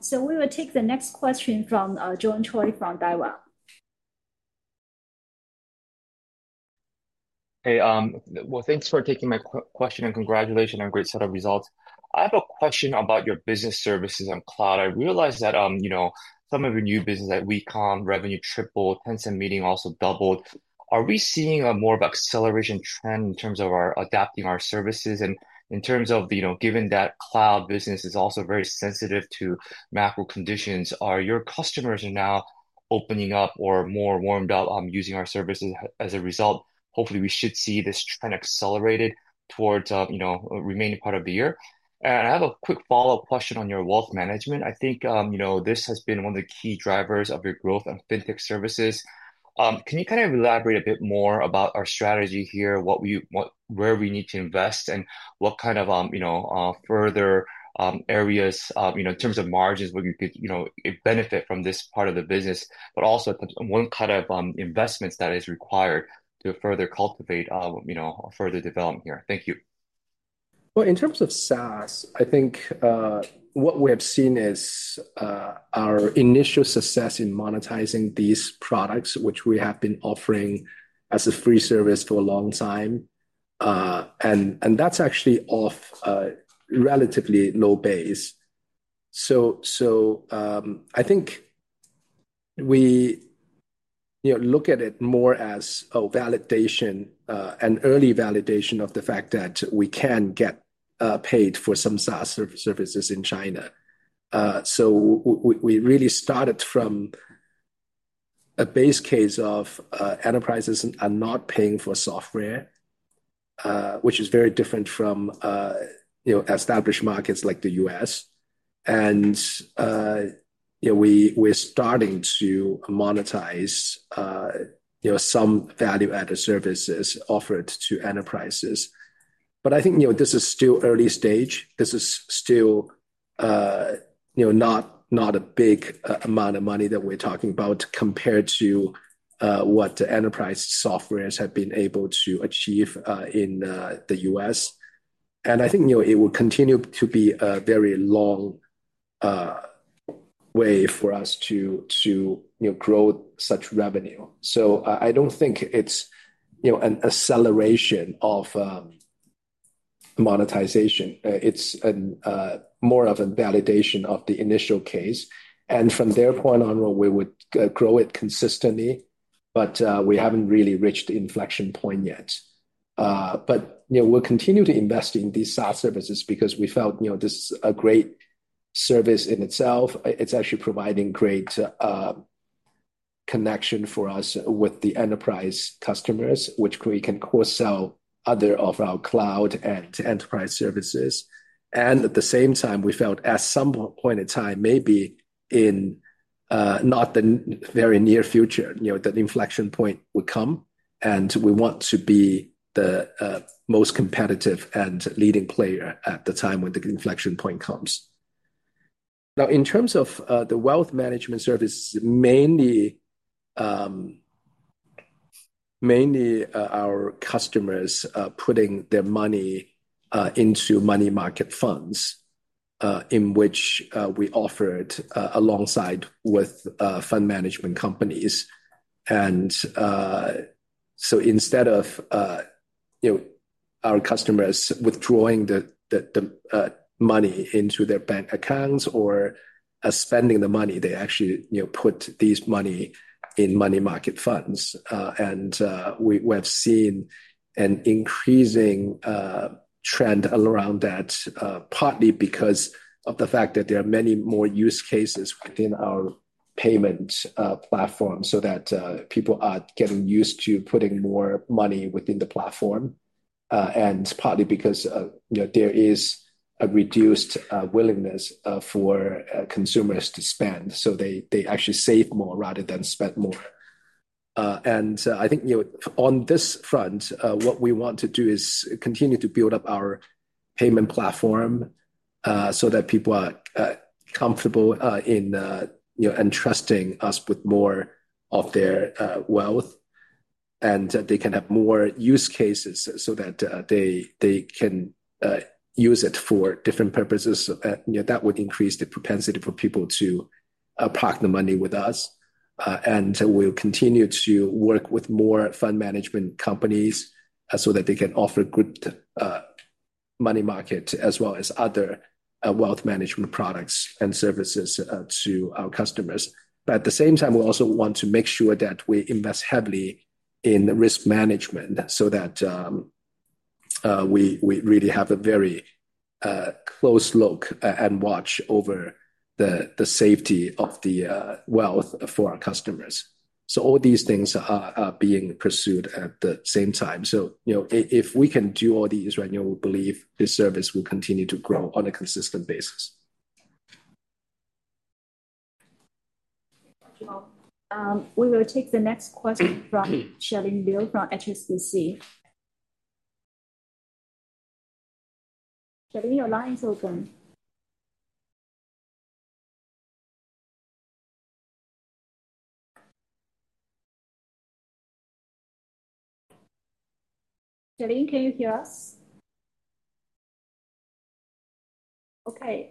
[SPEAKER 1] So we will take the next question from John Choi from Daiwa.
[SPEAKER 4] Hey, well, thanks for taking my question, and congratulations on a great set of results. I have a question about your business services on cloud. I realize that, you know, some of your new business at WeCom, revenue tripled, Tencent Meeting also doubled. Are we seeing a more of acceleration trend in terms of our adapting our services? And in terms of, you know, given that cloud business is also very sensitive to macro conditions, are your customers now opening up or more warmed up on using our services as a result? Hopefully, we should see this trend accelerated towards, you know, remaining part of the year. And I have a quick follow-up question on your wealth management. I think, you know, this has been one of the key drivers of your growth and Fintech services. Can you kind of elaborate a bit more about our strategy here, what- where we need to invest, and what kind of, you know, further areas of, you know, in terms of margins, where you could, you know, benefit from this part of the business? But also, what kind of investments that is required to further cultivate, you know, or further develop here. Thank you.
[SPEAKER 3] Well, in terms of SaaS, I think what we have seen is our initial success in monetizing these products, which we have been offering as a free service for a long time, and that's actually off a relatively low base. I think we, you know, look at it more as a validation, an early validation of the fact that we can get paid for some SaaS services in China. We really started from a base case of enterprises are not paying for software, which is very different from, you know, established markets like the U.S. And, you know, we, we're starting to monetize, you know, some value-added services offered to enterprises. But I think, you know, this is still early stage. This is still, you know, not, not a big amount of money that we're talking about compared to what enterprise softwares have been able to achieve in the U.S. And I think, you know, it will continue to be a very long way for us to, to, you know, grow such revenue. So I, I don't think it's, you know, an acceleration of monetization. It's more of a validation of the initial case, and from there point onward, we would grow it consistently, but we haven't really reached the inflection point yet. But, you know, we'll continue to invest in these SaaS services because we felt, you know, this is a great service in itself. It's actually providing great connection for us with the enterprise customers, which we can cross-sell other of our cloud and enterprise services. And at the same time, we felt at some point in time, maybe not in the very near future, you know, that inflection point would come, and we want to be the most competitive and leading player at the time when the inflection point comes. Now, in terms of the wealth management service, mainly, mainly, our customers putting their money into money market funds, in which we offered alongside with fund management companies. And so instead of you know, our customers withdrawing the money into their bank accounts or spending the money, they actually you know, put these money in money market funds. And we have seen an increasing trend around that, partly because of the fact that there are many more use cases within our payment platform, so that people are getting used to putting more money within the platform, and partly because, you know, there is a reduced willingness for consumers to spend, so they actually save more rather than spend more. And I think, you know, on this front, what we want to do is continue to build up our payment platform, so that people are comfortable in, you know, entrusting us with more of their wealth. And they can have more use cases so that they can use it for different purposes. You know, that would increase the propensity for people to park the money with us. And we'll continue to work with more fund management companies, so that they can offer good money market, as well as other wealth management products and services to our customers. But at the same time, we also want to make sure that we invest heavily in risk management so that we really have a very close look and watch over the safety of the wealth for our customers. So all these things are being pursued at the same time. So, you know, if we can do all these right, you know, we believe this service will continue to grow on a consistent basis.
[SPEAKER 1] We will take the next question from Charlene Liu from HSBC. Charlene, your line is open. Charlene, can you hear us? Okay,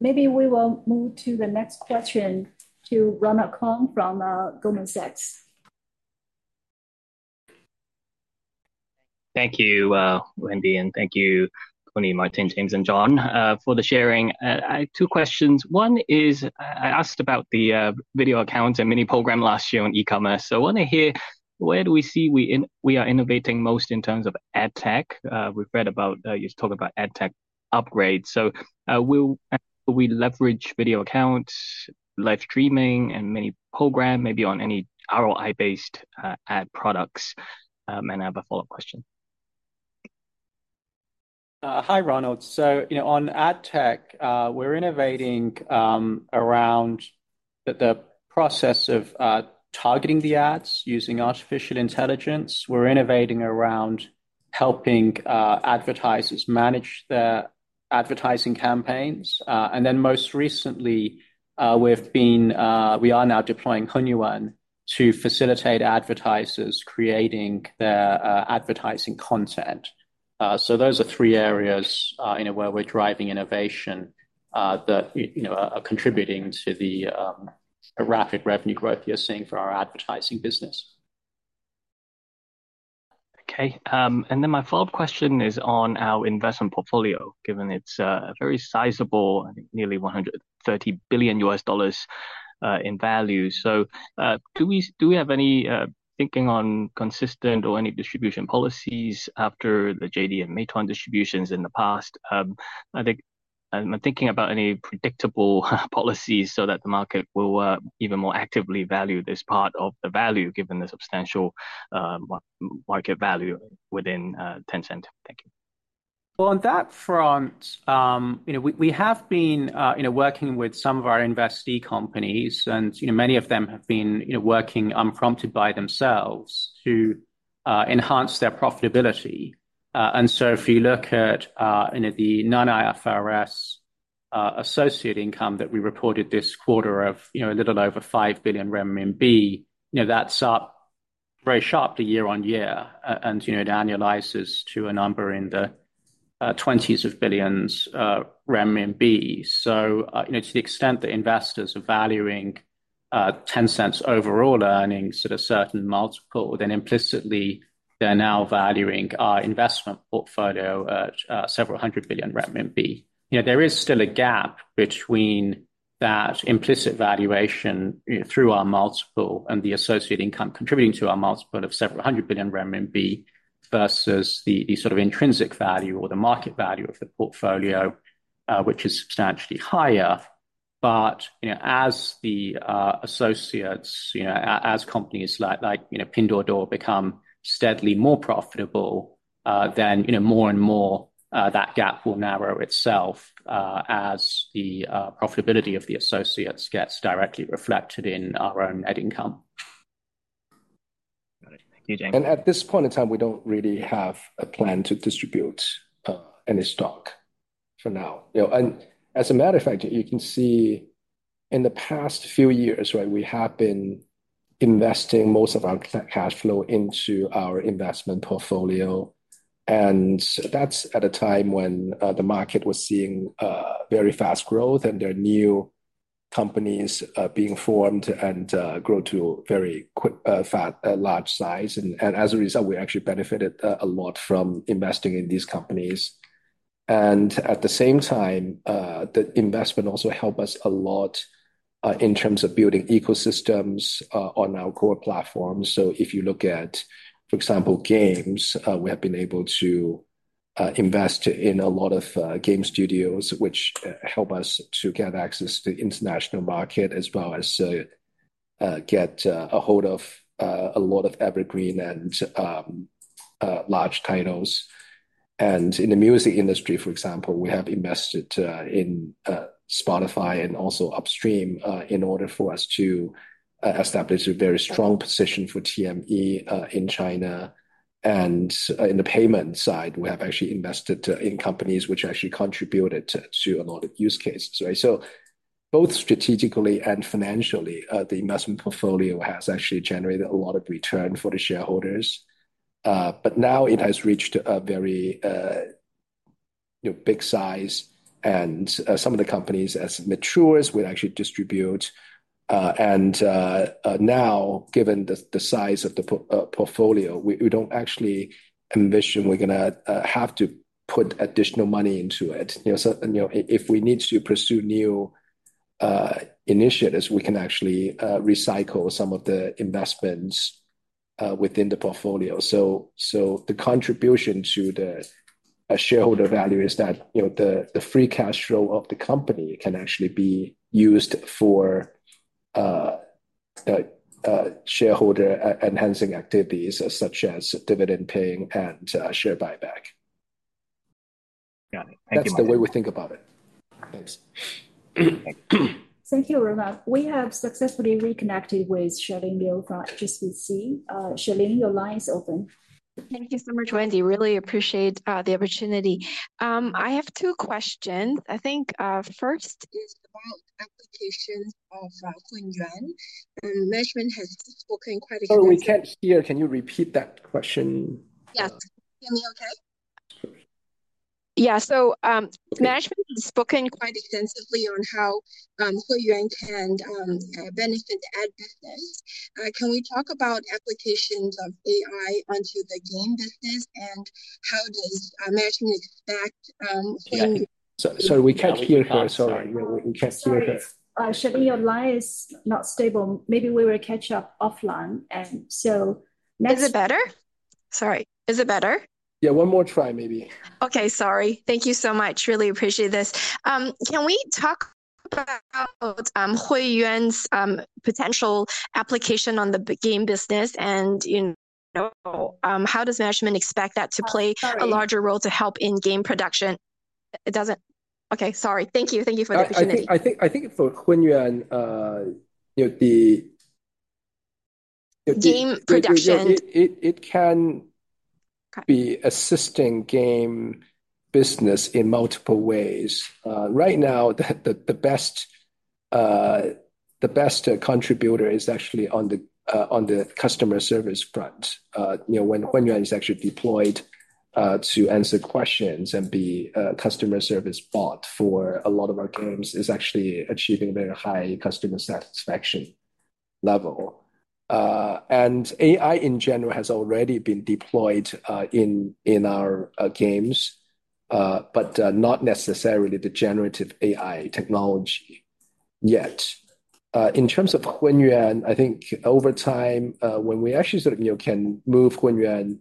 [SPEAKER 1] maybe we will move to the next question, to Ronald Keung from Goldman Sachs.
[SPEAKER 13] Thank you, Wendy, and thank you, Tony, Martin, James, and John, for the sharing. I have two questions. One is, I asked about the video accounts and mini program last year on e-commerce. So I want to hear, where do we see we are innovating most in terms of ad tech? We've read about you talk about ad tech upgrades. So, will we leverage video accounts, live streaming, and mini program, maybe on any ROI-based ad products? And I have a follow-up question.
[SPEAKER 3] Hi, Ronald. So, you know, on ad tech, we're innovating around the process of targeting the ads using artificial intelligence. We're innovating around helping advertisers manage their advertising campaigns. And then most recently, we are now deploying Hunyuan to facilitate advertisers creating their advertising content. So those are three areas, you know, where we're driving innovation that, you know, are contributing to the rapid revenue growth you're seeing for our advertising business.
[SPEAKER 14] Okay, and then my follow-up question is on our investment portfolio, given it's a very sizable, nearly $130 billion in value. So, do we have any thinking on consistent or any distribution policies after the JD and Meituan distributions in the past? And thinking about any predictable policies so that the market will even more actively value this part of the value, given the substantial market value within Tencent. Thank you.
[SPEAKER 4] Well, on that front, you know, we, we have been, you know, working with some of our investee companies, and, you know, many of them have been, you know, working unprompted by themselves to enhance their profitability. And so if you look at, you know, the non-IFRS associate income that we reported this quarter of, you know, a little over 5 billion renminbi, you know, that's up very sharply year-on-year. And, you know, it annualizes to a number in the 20s of billions CNY. So, you know, to the extent that investors are valuing, Tencent's overall earnings at a certain multiple, then implicitly they're now valuing our investment portfolio at several hundred billion CNY. You know, there is still a gap between that implicit valuation, you know, through our multiple and the associate income contributing to our multiple of several hundred billion CNY, versus the, the sort of intrinsic value or the market value of the portfolio, which is substantially higher. But, you know, as the associates, you know, as companies like, like, you know, Pinduoduo become steadily more profitable, then, you know, more and more, that gap will narrow itself, as the profitability of the associates gets directly reflected in our own net income.
[SPEAKER 14] Got it. Thank you, James.
[SPEAKER 3] At this point in time, we don't really have a plan to distribute any stock for now. You know, and as a matter of fact, you can see in the past few years, right, we have been investing most of our cash flow into our investment portfolio, and that's at a time when the market was seeing very fast growth, and there are new companies being formed and grow to very large size. And as a result, we actually benefited a lot from investing in these companies. And at the same time, the investment also help us a lot in terms of building ecosystems on our core platforms. So if you look at, for example, games, we have been able to invest in a lot of game studios, which help us to get access to international market, as well as get a hold of a lot of evergreen and large titles. In the music industry, for example, we have invested in Spotify and also Universal Music Group, in order for us to establish a very strong position for TME in China. In the payment side, we have actually invested in companies which actually contributed to a lot of use cases, right? So both strategically and financially, the investment portfolio has actually generated a lot of return for the shareholders. But now it has reached a very, you know, big size, and some of the companies, as matures, we actually distribute. And now, given the size of the portfolio, we don't actually envision we're gonna have to put additional money into it. You know, so, and, you know, if we need to pursue new initiatives, we can actually recycle some of the investments within the portfolio. So the contribution to the shareholder value is that, you know, the free cash flow of the company can actually be used for shareholder enhancing activities, such as dividend paying and share buyback.
[SPEAKER 13] Got it. Thank you very much.
[SPEAKER 3] That's the way we think about it. Thanks.
[SPEAKER 1] Thank you very much. We have successfully reconnected with Charlene Liu from HSBC. Charlene, your line is open.
[SPEAKER 15] Thank you so much, Wendy. Really appreciate the opportunity. I have two questions. I think first is about applications of Hunyuan, and management has spoken quite extensively-
[SPEAKER 3] Sorry, we can't hear. Can you repeat that question?
[SPEAKER 15] Yes. Can you hear me okay?
[SPEAKER 3] Sorry.
[SPEAKER 15] Yeah. So,
[SPEAKER 3] Okay...
[SPEAKER 15] management has spoken quite extensively on how Hunyuan can benefit the ad business. Can we talk about applications of AI onto the game business, and how does management expect Hunyuan
[SPEAKER 3] We can't hear you, sorry. We can't hear that.
[SPEAKER 1] Sorry, Charlene, your line is not stable. Maybe we will catch up offline, and so next-
[SPEAKER 16] Is it better? Sorry, is it better?
[SPEAKER 3] Yeah, one more try, maybe.
[SPEAKER 16] Okay, sorry. Thank you so much. Really appreciate this. Can we talk about Hunyuan's potential application on the game business? You know, how does management expect that to play-
[SPEAKER 1] Sorry...
[SPEAKER 15] a larger role to help in game production? It doesn't... Okay, sorry. Thank you. Thank you for the opportunity.
[SPEAKER 3] I think for Hunyuan, you know, the-
[SPEAKER 15] Game production...
[SPEAKER 3] Yeah, it can-
[SPEAKER 16] Okay...
[SPEAKER 3] be assisting game business in multiple ways. Right now, the best contributor is actually on the customer service front. You know, when Hunyuan is actually deployed to answer questions and be a customer service bot for a lot of our games, is actually achieving very high customer satisfaction level. And AI, in general, has already been deployed in our games, but not necessarily the generative AI technology... yet. In terms of Hunyuan, I think over time, when we actually sort of, you know, can move Hunyuan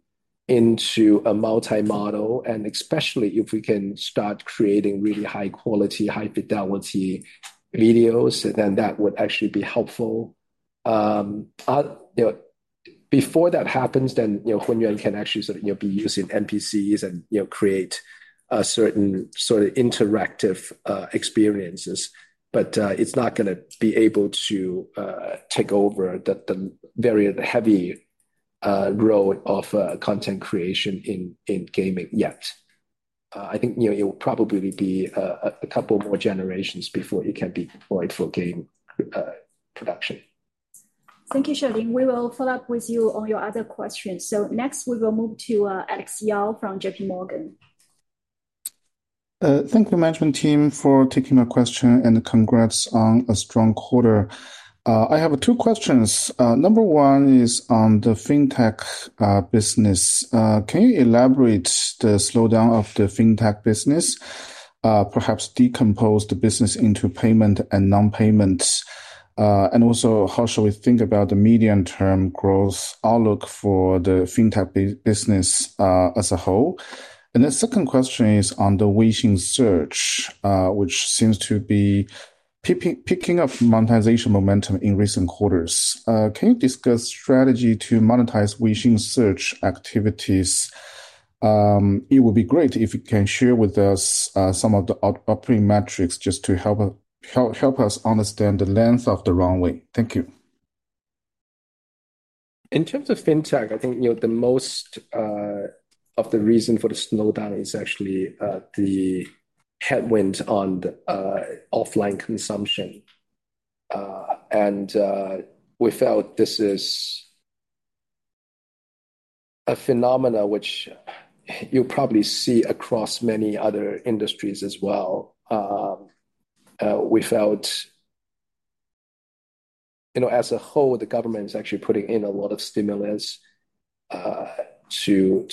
[SPEAKER 3] into a multi-model, and especially if we can start creating really high quality, high fidelity videos, then that would actually be helpful. You know, before that happens, then, you know, Hunyuan can actually sort of, you know, be used in NPCs and, you know, create a certain sort of interactive experiences. But, it's not going to be able to take over the very heavy road of content creation in gaming yet. I think, you know, it will probably be a couple more generations before it can be deployed for game production.
[SPEAKER 1] Thank you, Shaoling. We will follow up with you on your other questions. Next, we will move to Alex Yao from JPMorgan.
[SPEAKER 17] Thank you, management team, for taking my question, and congrats on a strong quarter. I have two questions. Number one is on the fintech business. Can you elaborate the slowdown of the fintech business, perhaps decompose the business into payment and non-payments? Also, how should we think about the medium-term growth outlook for the fintech business as a whole? The second question is on the Weixin Search, which seems to be picking up monetization momentum in recent quarters. Can you discuss strategy to monetize Weixin Search activities? It would be great if you can share with us some of the operating metrics just to help us understand the length of the runway. Thank you.
[SPEAKER 3] In terms of fintech, I think, you know, the most of the reason for the slowdown is actually the headwind on the offline consumption. And we felt this is a phenomenon which you'll probably see across many other industries as well. You know, as a whole, the government is actually putting in a lot of stimulus to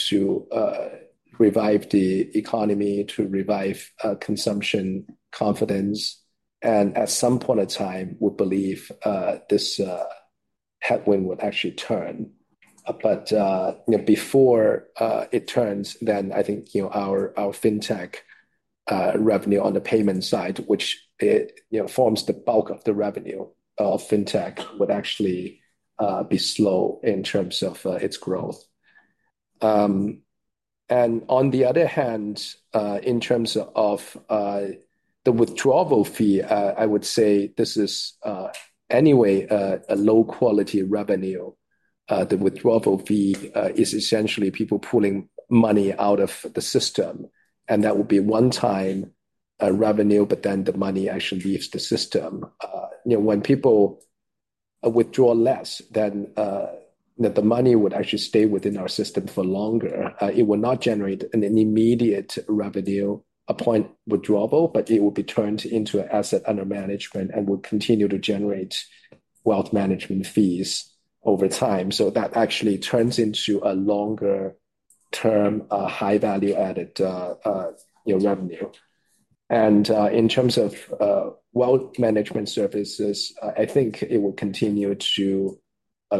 [SPEAKER 3] revive the economy, to revive consumption confidence, and at some point in time, we believe this headwind will actually turn. But you know, before it turns, then I think, you know, our fintech revenue on the payment side, which it, you know, forms the bulk of the revenue of fintech, would actually be slow in terms of its growth. And on the other hand, in terms of the withdrawal fee, I would say this is anyway a low-quality revenue. The withdrawal fee is essentially people pulling money out of the system, and that would be one-time revenue, but then the money actually leaves the system. You know, when people withdraw less, then the money would actually stay within our system for longer. It will not generate an immediate revenue upon withdrawal, but it will be turned into an asset under management and will continue to generate wealth management fees over time. So that actually turns into a longer-term high-value-added, you know, revenue. And in terms of wealth management services, I think it will continue to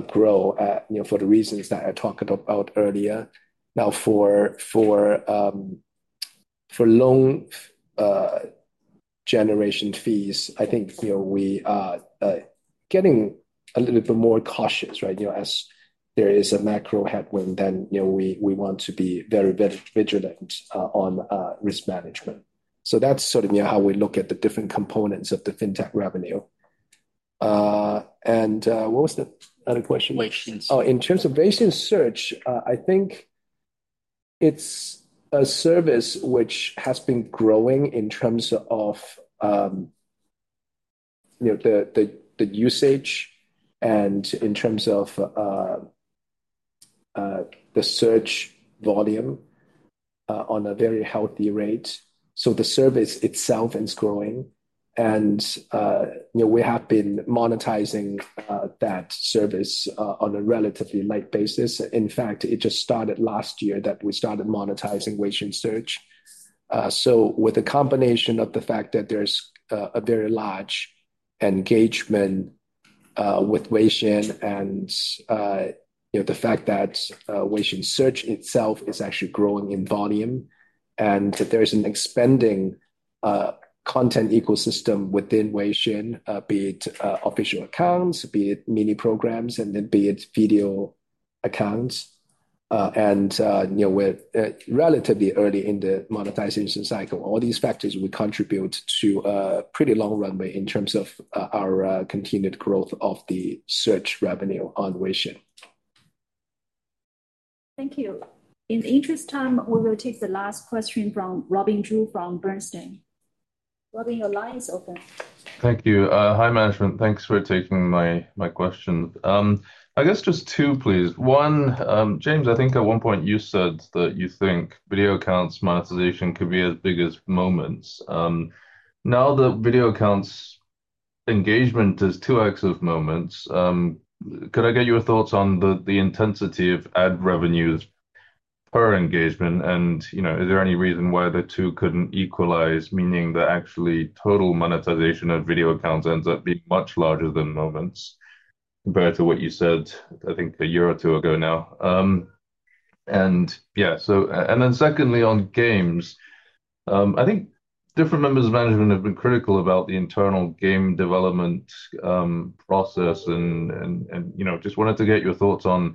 [SPEAKER 3] grow, you know, for the reasons that I talked about earlier. Now, for loan generation fees, I think, you know, we are getting a little bit more cautious, right? You know, as there is a macro headwind, then, you know, we want to be very, very vigilant on risk management. So that's sort of, you know, how we look at the different components of the fintech revenue. And what was the other question?
[SPEAKER 17] Weixin.
[SPEAKER 3] Oh, in terms of Weixin Search, I think it's a service which has been growing in terms of, you know, the usage and in terms of the search volume on a very healthy rate. So the service itself is growing, and, you know, we have been monetizing that service on a relatively light basis. In fact, it just started last year that we started monetizing Weixin Search. So with the combination of the fact that there's a very large engagement with Weixin and, you know, the fact that Weixin Search itself is actually growing in volume, and there is an expanding content ecosystem within Weixin, be it Official Accounts, be it Mini Programs, and then be it Video Accounts, and, you know, we're relatively early in the monetization cycle. All these factors will contribute to a pretty long runway in terms of our continued growth of the search revenue on Weixin.
[SPEAKER 1] Thank you. In the interest of time, we will take the last question from Robin Zhu from Bernstein. Robin, your line is open.
[SPEAKER 18] Thank you. Hi, management. Thanks for taking my, my question. I guess just two, please. One, James, I think at one point you said that you think Video Accounts monetization could be as big as Moments. Now the Video Accounts engagement is 2X of Moments. Could I get your thoughts on the, the intensity of ad revenues per engagement? And, you know, is there any reason why the two couldn't equalize, meaning that actually total monetization of Video Accounts ends up being much larger than Moments, compared to what you said, I think, a year or two ago now? And yeah, so, and then secondly, on games, I think different members of management have been critical about the internal game development process. You know, just wanted to get your thoughts on: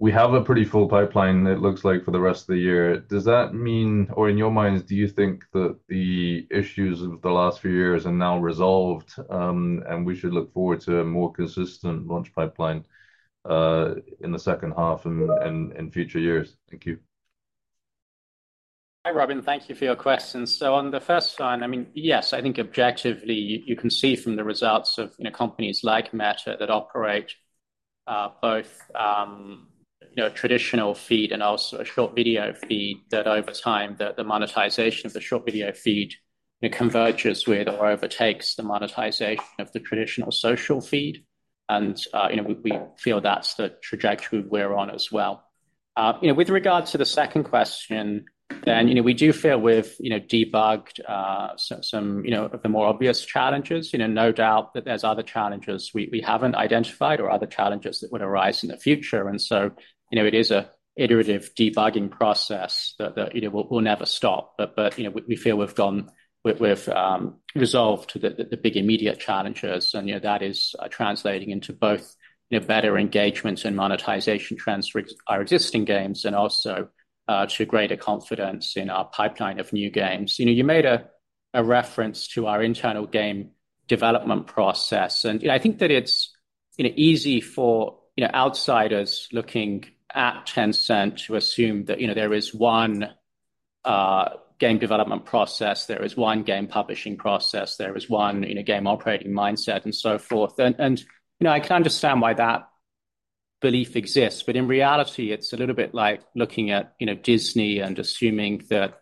[SPEAKER 18] we have a pretty full pipeline, it looks like, for the rest of the year. Does that mean, or in your minds, do you think that the issues of the last few years are now resolved, and we should look forward to a more consistent launch pipeline in the second half and future years? Thank you.
[SPEAKER 4] Hi, Robin, thank you for your questions. So on the first one, I mean, yes, I think objectively, you can see from the results of, you know, companies like Meta that operate, both, you know, traditional feed and also a short video feed, that over time, the monetization of the short video feed, it converges with or overtakes the monetization of the traditional social feed. And, you know, we feel that's the trajectory we're on as well. You know, with regard to the second question, then, you know, we do feel we've, you know, debugged, some, you know, of the more obvious challenges. You know, no doubt that there's other challenges we haven't identified or other challenges that would arise in the future. And so, you know, it is a iterative debugging process that, you know, will never stop. You know, we feel we've resolved the big immediate challenges, and, you know, that is translating into both, you know, better engagement and monetization trends for our existing games and also to greater confidence in our pipeline of new games. You know, you made a reference to our internal game development process, and, you know, I think that it's, you know, easy for, you know, outsiders looking at Tencent to assume that, you know, there is one game development process, there is one game publishing process, there is one, you know, game operating mindset, and so forth. You know, I can understand why that belief exists, but in reality, it's a little bit like looking at, you know, Disney and assuming that,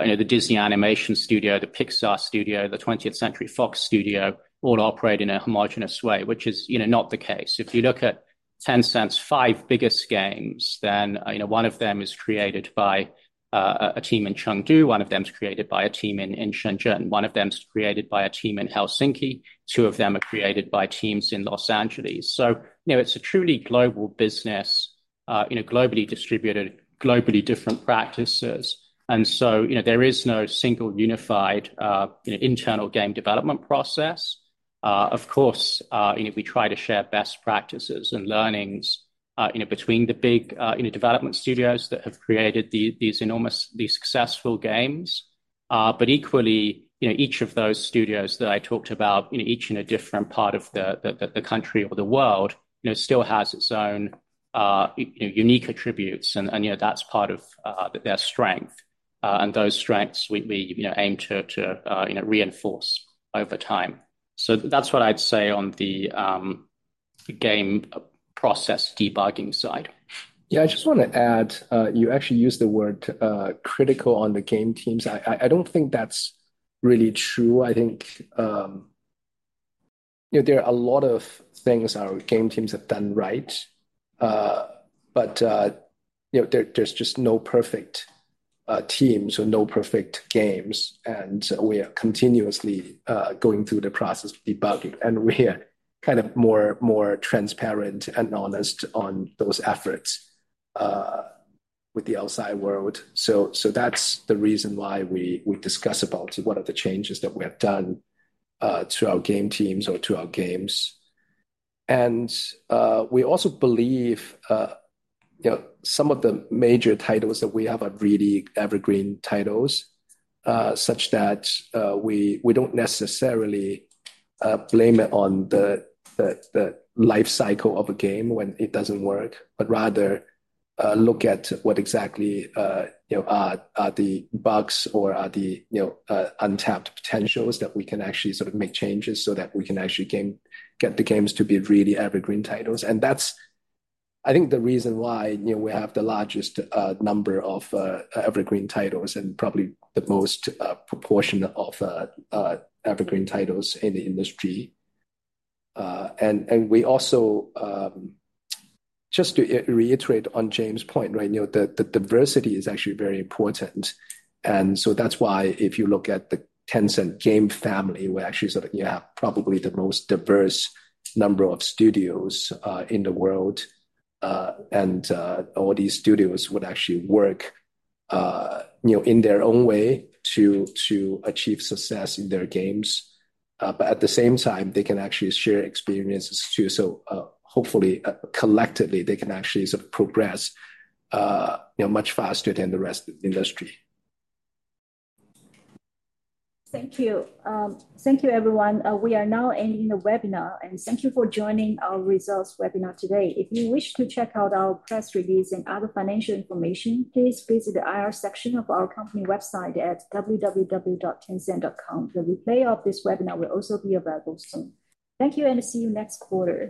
[SPEAKER 4] you know, the Disney Animation Studio, the Pixar Studio, the Twentieth Century Fox Studio all operate in a homogenous way, which is, you know, not the case. If you look at Tencent's five biggest games, then, you know, one of them is created by a team in Chengdu, one of them is created by a team in Shenzhen, one of them is created by a team in Helsinki, two of them are created by teams in Los Angeles. So, you know, it's a truly global business, you know, globally distributed, globally different practices. And so, you know, there is no single unified, you know, internal game development process. Of course, you know, we try to share best practices and learnings, you know, between the big, you know, development studios that have created these enormous successful games. But equally, you know, each of those studios that I talked about, you know, each in a different part of the country or the world, you know, still has its own, you know, unique attributes, and, you know, that's part of their strength. And those strengths we, you know, aim to, you know, reinforce over time. So that's what I'd say on the game process debugging side.
[SPEAKER 3] Yeah, I just want to add, you actually used the word critical on the game teams. I don't think that's really true. I think, you know, there are a lot of things our game teams have done right. But, you know, there, there's just no perfect teams or no perfect games, and we are continuously going through the process of debugging, and we're kind of more, more transparent and honest on those efforts with the outside world. So, that's the reason why we discuss about what are the changes that we have done to our game teams or to our games. We also believe, you know, some of the major titles that we have are really evergreen titles, such that we don't necessarily blame it on the life cycle of a game when it doesn't work, but rather look at what exactly, you know, are the bugs or are the, you know, untapped potentials that we can actually sort of make changes so that we can actually get the games to be really evergreen titles. And that's I think the reason why, you know, we have the largest number of evergreen titles and probably the most proportion of evergreen titles in the industry. And we also just to reiterate on James' point, right, you know, the diversity is actually very important. So that's why if you look at the Tencent game family, we actually sort of, you know, have probably the most diverse number of studios in the world. And all these studios would actually work, you know, in their own way to achieve success in their games. But at the same time, they can actually share experiences, too. So hopefully, collectively, they can actually sort of progress, you know, much faster than the rest of the industry.
[SPEAKER 18] Thank you. Thank you, everyone. We are now ending the webinar, and thank you for joining our results webinar today. If you wish to check out our press release and other financial information, please visit the IR section of our company website at www.tencent.com. The replay of this webinar will also be available soon. Thank you, and see you next quarter.